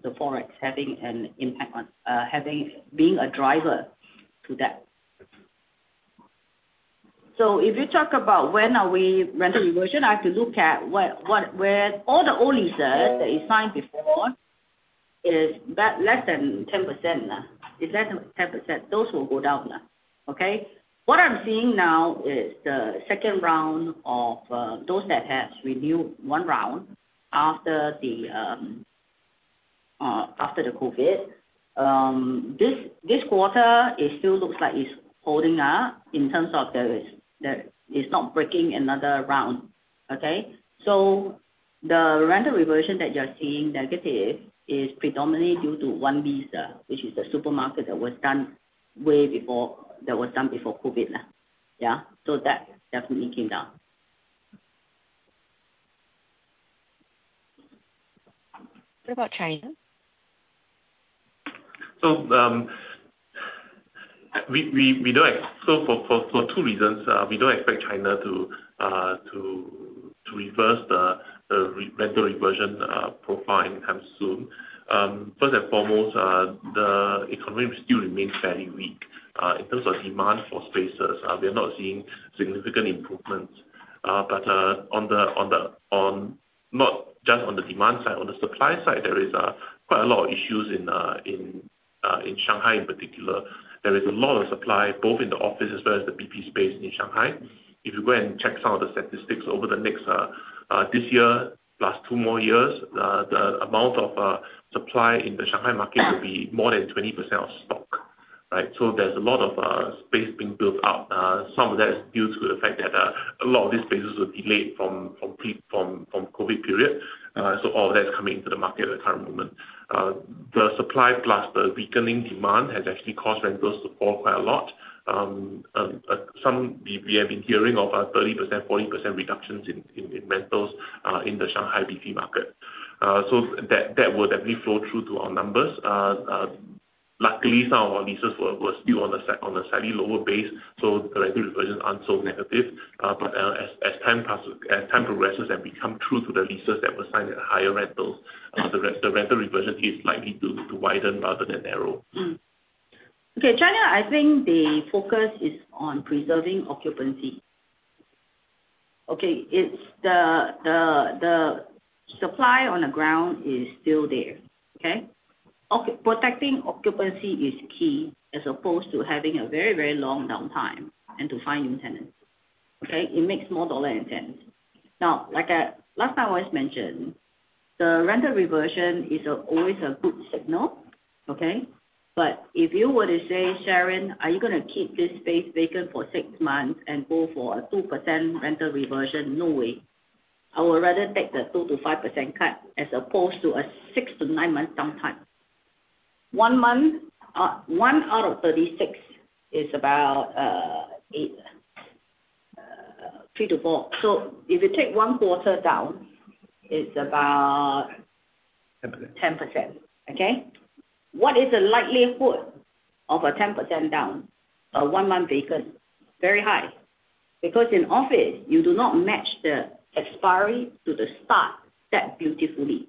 the Forex having an impact on having, being a driver to that. If you talk about when are we rental reversion, I have to look at what, where All the old leases that you signed before is about less than 10%. It's less than 10%. Those will go down. Okay. What I'm seeing now is the second round of those that has renewed one round after the COVID, this quarter, it still looks like it's holding up in terms of it's not breaking another round. Okay? The rental reversion that you're seeing negative is predominantly due to one lease, which is the supermarket that was done way before COVID now. Yeah. What about China? For two reasons, we don't expect China to reverse the re-rental reversion profile anytime soon. First and foremost, the economy still remains fairly weak. In terms of demand for spaces, we're not seeing significant improvements. Not just on the demand side, on the supply side there is quite a lot of issues in Shanghai in particular. There is a lot of supply both in the office as well as the BP space in Shanghai. If you go and check some of the statistics over the next this year +2 more years, the amount of supply in the Shanghai market- Yeah. will be more than 20% of stock, right? There's a lot of space being built up. Some of that is due to the fact that a lot of these spaces were delayed from COVID period. All that's coming into the market at the current moment. The supply plus the weakening demand has actually caused rentals to fall quite a lot. We have been hearing of 30%, 40% reductions in rentals in the Shanghai BP market. That, that will definitely flow through to our numbers. Luckily some of our leases were still on a slightly lower base, so the rental reversions aren't so negative. As time progresses and we come through to the leases that were signed at higher rentals, the rental reversion is likely to widen rather than narrow. Okay. China, I think the focus is on preserving occupancy. Okay. It's the supply on the ground is still there. Okay? Protecting occupancy is key as opposed to having a very, very long downtime and to find new tenants. Okay? It makes more dollar and cents. Last time I always mentioned the rental reversion is always a good signal. Okay? If you were to say, "Sharon, are you going to keep this space vacant for six months and go for a 2% rental reversion?" No way. I would rather take the 2%-5% cut as opposed to a six to nine months downtime. One month, one out of 36 is about eight, three tot four. If you take one quarter down, it's about- 10%. 10%. Okay? What is the likelihood of a 10% down, a one-month vacant? Very high. In office you do not match the expiry to the start that beautifully.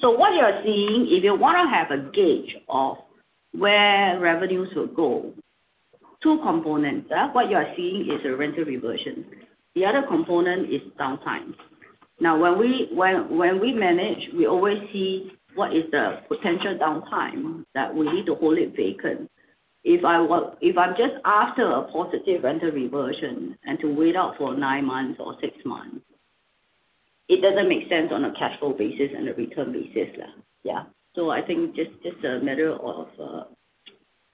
What you are seeing, if you wanna have a gauge of where revenues will go, two components. What you are seeing is a rental reversion. The other component is downtime. When we manage, we always see what is the potential downtime that we need to hold it vacant. If I'm just after a positive rental reversion and to wait out for nine months or six months, it doesn't make sense on a cash flow basis and a return basis now. I think just a matter of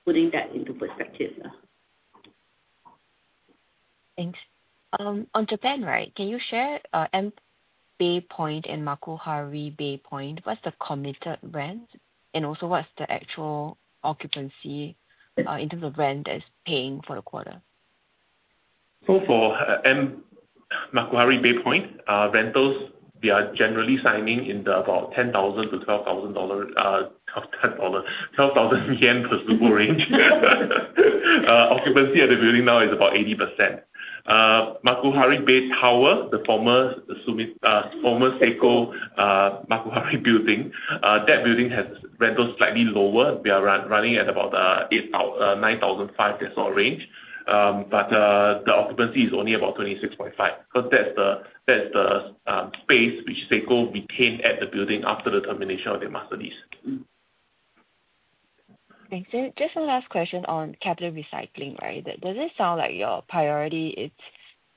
putting that into perspective now. Thanks. On Japan, right, can you share, mBay Point and Makuhari Bay Tower, what's the committed rent? Also what's the actual occupancy, in terms of rent that's paying for the quarter? For Makuhari Bay Point rentals, they are generally signing in the JPY 10,000-JPY 12,000 per tsubo range. Occupancy at the building now is about 80%. Makuhari Bay Tower, the former Sumitomo, former Seiko Makuhari Building, that building has rentals slightly lower. They are running at about 8,000-9,005 sort of range. The occupancy is only about 26.5%, because that's the space which Seiko retained at the building after the termination of their master lease. Thanks. Just one last question on capital recycling, right? Does it sound like your priority is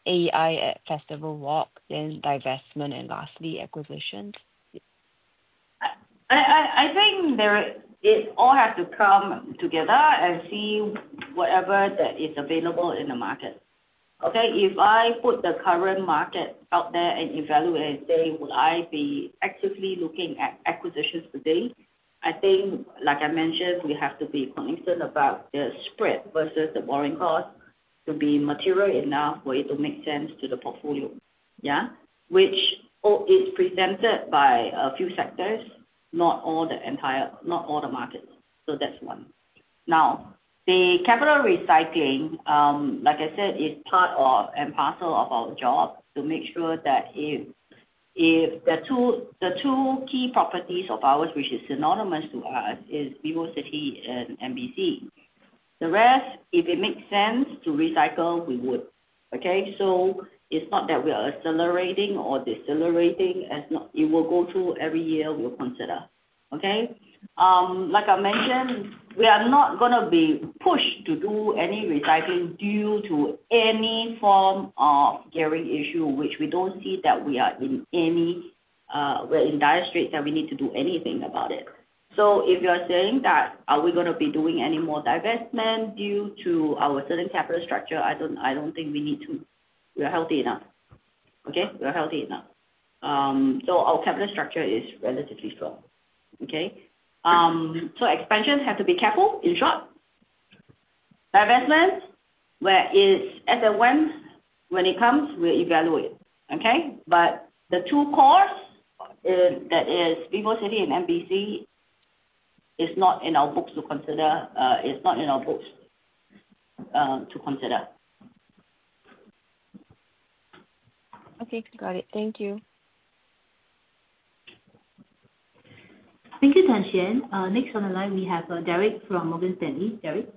AEI at Festival Walk, then divestment, and lastly acquisitions? Yeah. I think it all have to come together and see whatever that is available in the market. Okay. If I put the current market out there and evaluate, say, will I be actively looking at acquisitions today, I think, like I mentioned, we have to be cognizant about the spread versus the borrowing cost to be material enough for it to make sense to the portfolio. Yeah. Which is presented by a few sectors, not all the markets. That's one. The capital recycling, like I said, is part and parcel of our job to make sure that if the two key properties of ours, which is synonymous to us, is VivoCity and MBC. The rest, if it makes sense to recycle, we would. Okay. It's not that we are accelerating or decelerating. It will go through every year, we'll consider. Okay? Like I mentioned, we are not gonna be pushed to do any recycling due to any form of gearing issue, which we don't see that we are in any dire straits that we need to do anything about it. If you are saying that are we gonna be doing any more divestment due to our certain capital structure, I don't think we need to. We are healthy enough. Okay? We are healthy enough. Our capital structure is relatively strong. Okay? Expansion have to be careful, in short. Divestment, when it comes, we'll evaluate. Okay? The two cores, that is VivoCity and MBC, is not in our books to consider. It's not in our books, to consider. Okay, got it. Thank you. Thank you, Tan Hsien. Next on the line we have, Derek from Morgan Stanley. Derek?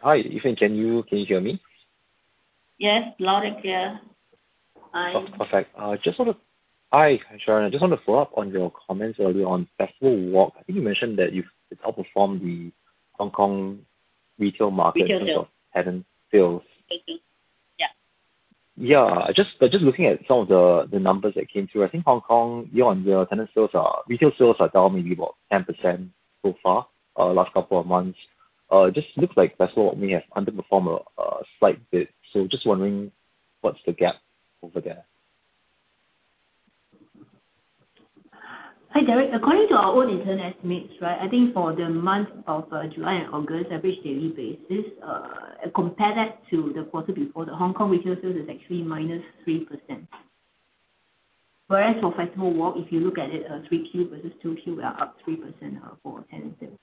Hi, E-Fen. Can you hear me? Yes. Loud and clear. Hi. Perfect. Hi, Sharon. I just want to follow up on your comments earlier on Festival Walk. I think you mentioned that you've outperformed the Hong Kong retail market- Retail sales. in terms of tenant sales. Thank you. Yeah. Just looking at some of the numbers that came through. I think Hong Kong, year-on-year, Retail sales are down maybe about 10% so far, last couple of months. Just looks like Festival may have underperformed a slight bit. Just wondering what's the gap over there? Hi, Derek. According to our own internal estimates, right, I think for the month of July and August, average daily basis, compare that to the quarter before, the Hong Kong retail sales is actually -3%. Whereas for Festival Walk, if you look at it, 3Q versus 2Q, we are up 3% for tenant sales.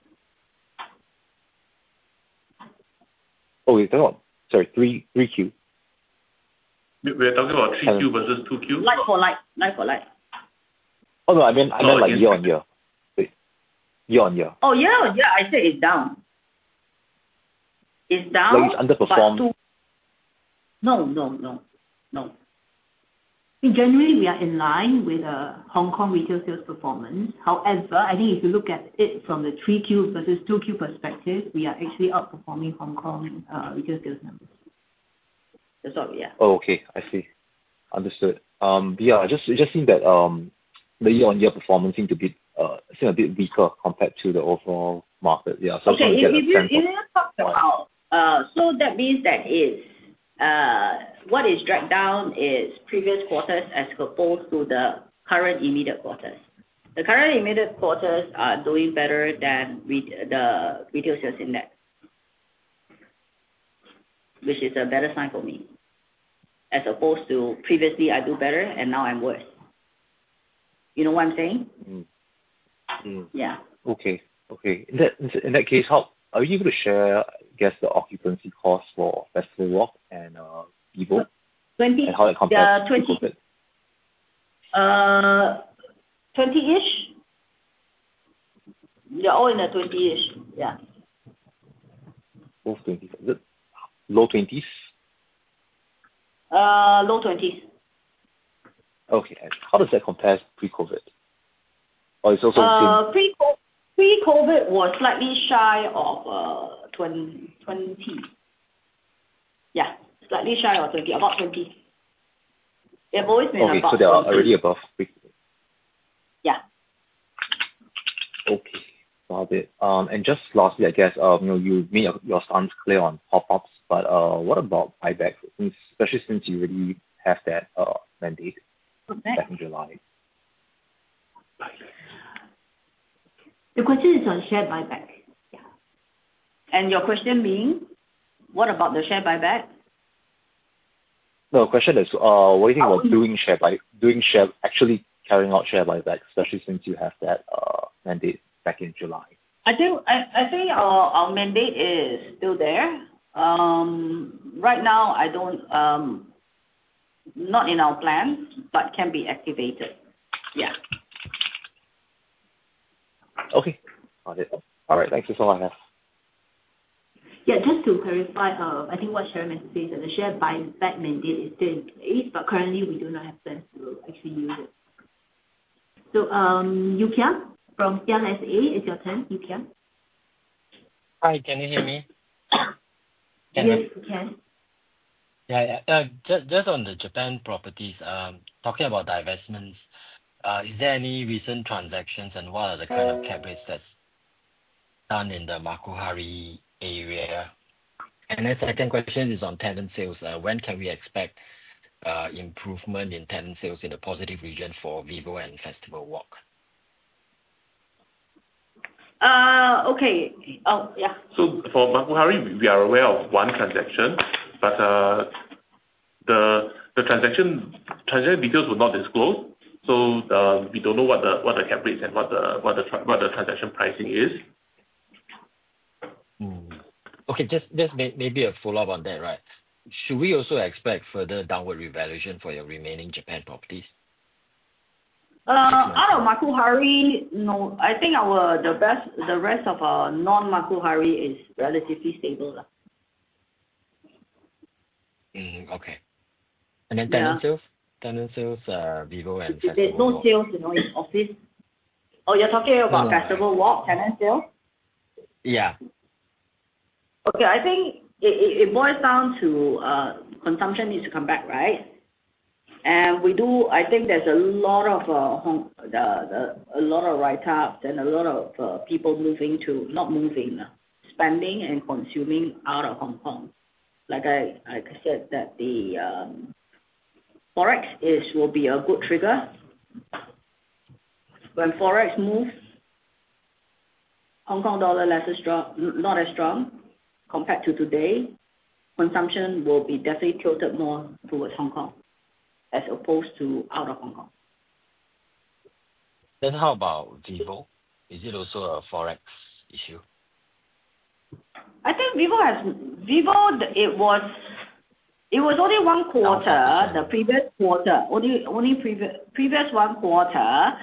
Oh, wait. Hang on. Sorry, 3Q? We are talking about 3Q versus 2Q? Like for like. Oh, no. I meant. No. like year-on-year. Wait. Year-on-year. Oh, year on year. I said it's down. Well, it's underperformed. No. In January we are in line with Hong Kong retail sales performance. I think if you look at it from the 3Q versus 2Q perspective, we are actually outperforming Hong Kong retail sales numbers. That's all, yeah. Oh, okay. I see. Understood. Yeah, I just think that, the year-on-year performance seem to be a bit weaker compared to the overall market. Yeah. I was trying to get a sense of- Okay. If you just talk about, that means that is, what is dragged down is previous quarters as opposed to the current immediate quarters. The current immediate quarters are doing better than the retail sales index, which is a better sign for me, as opposed to previously I do better and now I'm worse. You know what I'm saying? Mm-hmm. Mm-hmm. Yeah. Okay. In that case, Are you able to share, I guess, the occupancy cost for Festival Walk and Vivo? 20. how it compares to COVID. 20. 20-ish. They're all in the 20-ish, yeah. Both 20, is it? Low 20s? Low 20s. Okay. How does that compare pre-COVID? It's also the same? Pre-COVID was slightly shy of 20%. Yeah. Slightly shy of 20%. About 20%. They've always been about 20%. Okay. They are already above pre-COVID? Yeah. Okay. Got it. Just lastly, I guess, you know, you mean your stand's clear on pop-ups, but what about buyback since, especially since you already have that mandate? Buyback? back in July. Buyback. The question is on share buyback. Yeah. Your question being, what about the share buyback? No. Question is, what are you. How we- Doing share, actually carrying out share buyback, especially since you have that mandate back in July. I think our mandate is still there. Not in our plan but can be activated. Yeah. Okay. Got it. All right. Thank you so much. Just to clarify, I think what Sharon meant to say is that the share buyback mandate is still in place, but currently we do not have plans to actually use it. Yew Kiang from CLSA, it's your turn. Yew Kiang. Hi, can you hear me? Yes, we can. Yeah. Just on the Japan properties, talking about divestments, is there any recent transactions and what are the kind of cap rates that's done in the Makuhari area? Second question is on tenant sales. When can we expect improvement in tenant sales in the positive region for Vivo and Festival Walk? Okay. Yeah. For Makuhari, we are aware of one transaction, but the transaction details were not disclosed, so we don't know what the cap rates and what the transaction pricing is. Mm-hmm. Okay. Just maybe a follow-up on that, right? Should we also expect further downward revaluation for your remaining Japan properties? Out of Makuhari, no. I think the rest of our non-Makuhari is relatively stable. Mm-hmm. Okay. Yeah. Tenant sales, Vivo and Festival Walk. There's no sales, you know, in office. Oh, you're talking about- Festival Walk tenant sales? Yeah. Okay. I think it boils down to consumption needs to come back, right? I think there's a lot of write-ups and a lot of people spending and consuming out of Hong Kong. Like I said, that the Forex will be a good trigger. When Forex moves, Hong Kong dollar not as strong compared to today, consumption will be definitely tilted more towards Hong Kong as opposed to out of Hong Kong. How about Vivo? Is it also a Forex issue? I think Vivo has, it was only one quarter. Okay. The previous quarter. Only previous one quarter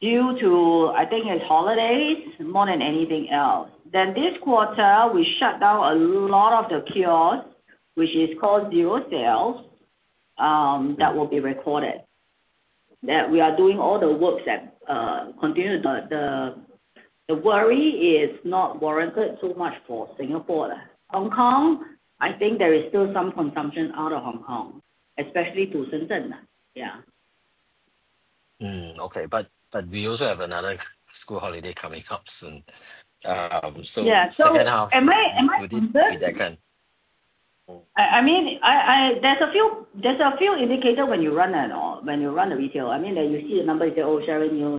due to, I think it's holidays more than anything else. This quarter, we shut down a lot of the kiosks, which is called zero sales. that will be recorded. We are doing all the works that continue. The worry is not warranted so much for Singapore. Hong Kong, I think there is still some consumption out of Hong Kong, especially to Shenzhen. Yeah. Okay. We also have another school holiday coming up soon. Yeah. But then how- Am I concerned? With that kind I mean, there's a few indicator when you run a retail. I mean, that you see a number, you say, "Oh, Sharon,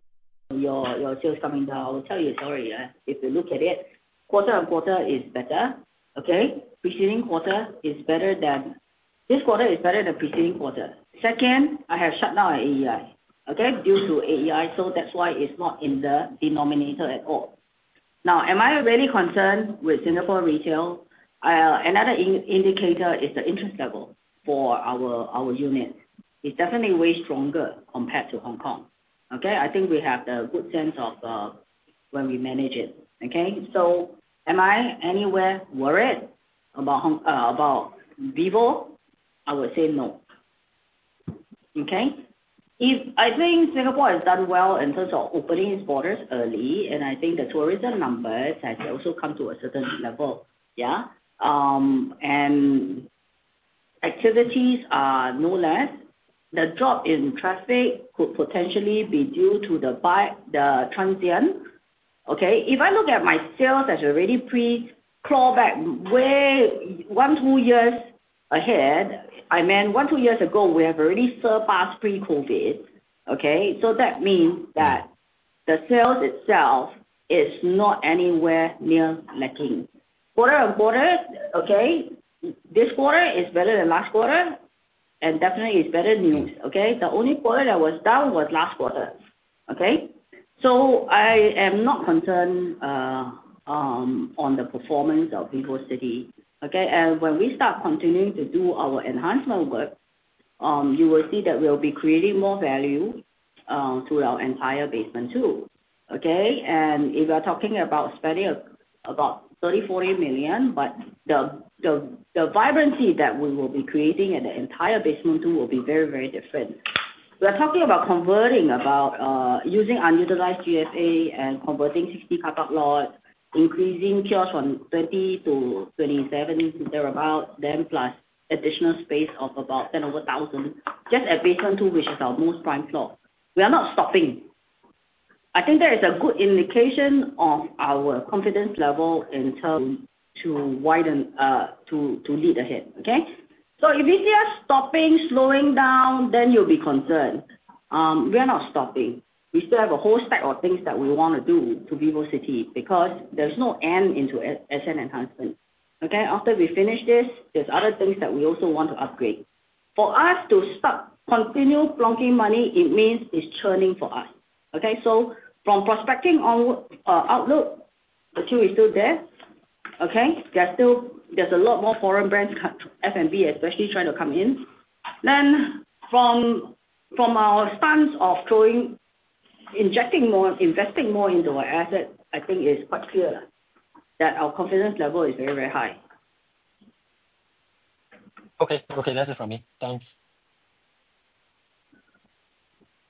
your sales coming down." I will tell you a story, yeah. If you look at it, quarter-on-quarter is better. Okay. This quarter is better than preceding quarter. Second, I have shut down our AEI, okay, due to AEI, that's why it's not in the denominator at all. Now, am I really concerned with Singapore retail? Another indicator is the interest level for our unit. It's definitely way stronger compared to Hong Kong. Okay. I think we have the good sense of when we manage it. Okay. Am I anywhere worried about Vivo? I would say no. Okay. I think Singapore has done well in terms of opening its borders early, I think the tourism numbers has also come to a certain level. Yeah. Activities are no less. The drop in traffic could potentially be due to the transient. Okay? I look at my sales as already pre-crawl back way one, two years ahead, I meant one, two years ago, we have already surpassed pre-COVID. Okay? That means that the sales itself is not anywhere near lacking. Quarter-on-quarter, okay, this quarter is better than last quarter, definitely it's better news. Okay? The only quarter that was down was last quarter. Okay? I am not concerned on the performance of VivoCity. Okay? When we start continuing to do our enhancement work, you will see that we'll be creating more value through our entire Basement 2. If we are talking about spending about 30 million, 40 million, the vibrancy that we will be creating in the entire Basement 2 will be very, very different. We're talking about converting, about, using unutilized GFA and converting 60 cutout lots, increasing kiosks from 30 to 27, thereabout, plus additional space of about 10,000, just at Basement 2, which is our most prime floor. We are not stopping. I think that is a good indication of our confidence level in terms to widen, to lead ahead. If you see us stopping, slowing down, then you'll be concerned. We are not stopping. We still have a whole stack of things that we wanna do to VivoCity because there's no end into asset enhancement. Okay. After we finish this, there's other things that we also want to upgrade. For us to stop, continue plonking money, it means it's churning for us. Okay. From prospecting on outlook, the queue is still there. Okay. There's a lot more foreign brands, F&B especially, trying to come in. From our stance of throwing, injecting more, investing more into our asset, I think it's quite clear that our confidence level is very, very high. Okay. Okay. That's it from me. Thanks.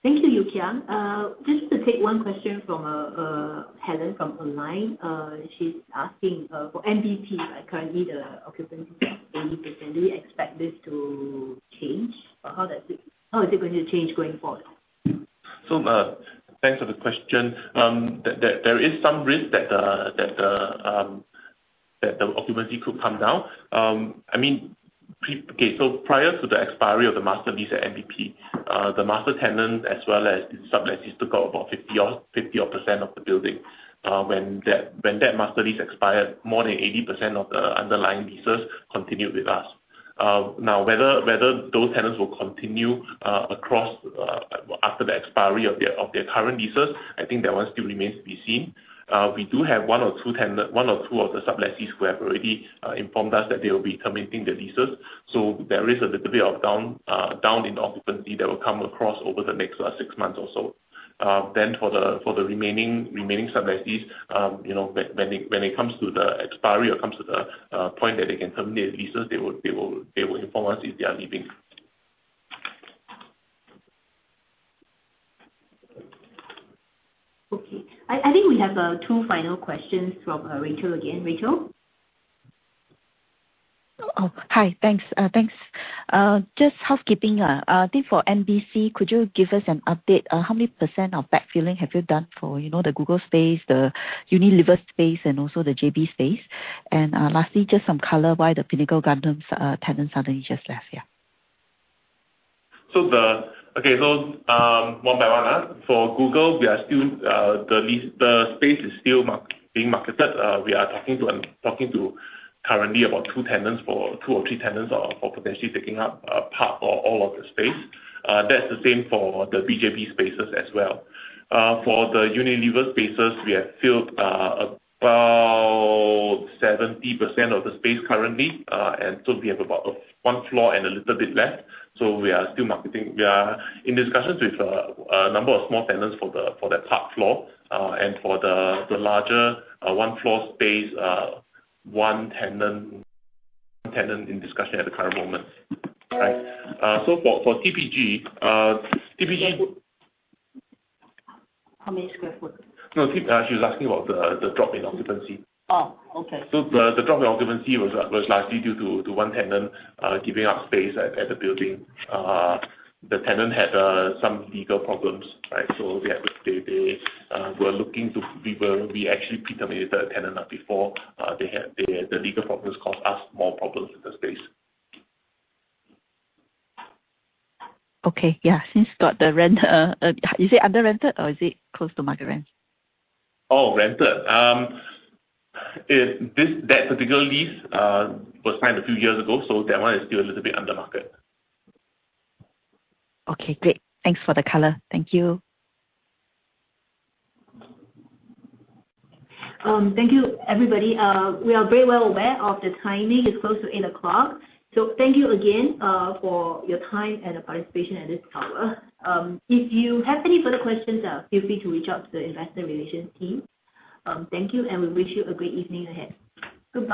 Thank you, Yew Kiang. Just to take one question from Helen from online. She's asking for MBP, like currently the occupancy is 80%. Do you expect this to change? How is it going to change going forward? Thanks for the question. There is some risk that the occupancy could come down. I mean, prior to the expiry of the master lease at MBP, the master tenant as well as the sublessees took out about 50 odd percent of the building. When that master lease expired, more than 80% of the underlying leases continued with us. Now, whether those tenants will continue across after the expiry of their current leases, I think that one still remains to be seen. We do have one or two of the sublessees who have already informed us that they will be terminating their leases. There is a little bit of down in occupancy that will come across over the next six months or so. For the remaining sub-lessees, you know, when it comes to the expiry or comes to the point that they can terminate leases, they will inform us if they are leaving. Okay. I think we have two final questions from Rachel again. Rachel? Oh, hi. Thanks. Thanks. Just housekeeping. I think for MBC, could you give us an update, how many percent of backfilling have you done for, you know, the Google space, the Unilever space, and also the JB space? Lastly, just some color why The Pinnacle Gangnam tenants suddenly just left. One by one. For Google, we are still, the space is still being marketed. We are talking to currently about two tenants for, two or three tenants for potentially taking up part or all of the space. That's the same for the MBP spaces as well. For the Unilever spaces, we have filled about 70% of the space currently. We have about one floor and a little bit left, so we are still marketing. We are in discussions with a number of small tenants for the, for that top floor. For the larger, one floor space, one tenant in discussion at the current moment. Right. For, for TPG. How many square foot? No, she was asking about the drop in occupancy. Oh, okay. The drop in occupancy was largely due to one tenant giving up space at the building. The tenant had some legal problems, right? We actually pre-terminated the tenant out before they had the legal problems cause us more problems with the space. Okay. Yeah. Since got the rent, is it under rented or is it close to market rent? Oh, rented. That particular lease was signed a few years ago, so that one is still a little bit under market. Okay, great. Thanks for the color. Thank you. Thank you, everybody. We are very well aware of the timing. It's close to 8:00 A.M. Thank you again for your time and participation at this hour. If you have any further questions, feel free to reach out to the investor relations team. Thank you, and we wish you a great evening ahead. Goodbye.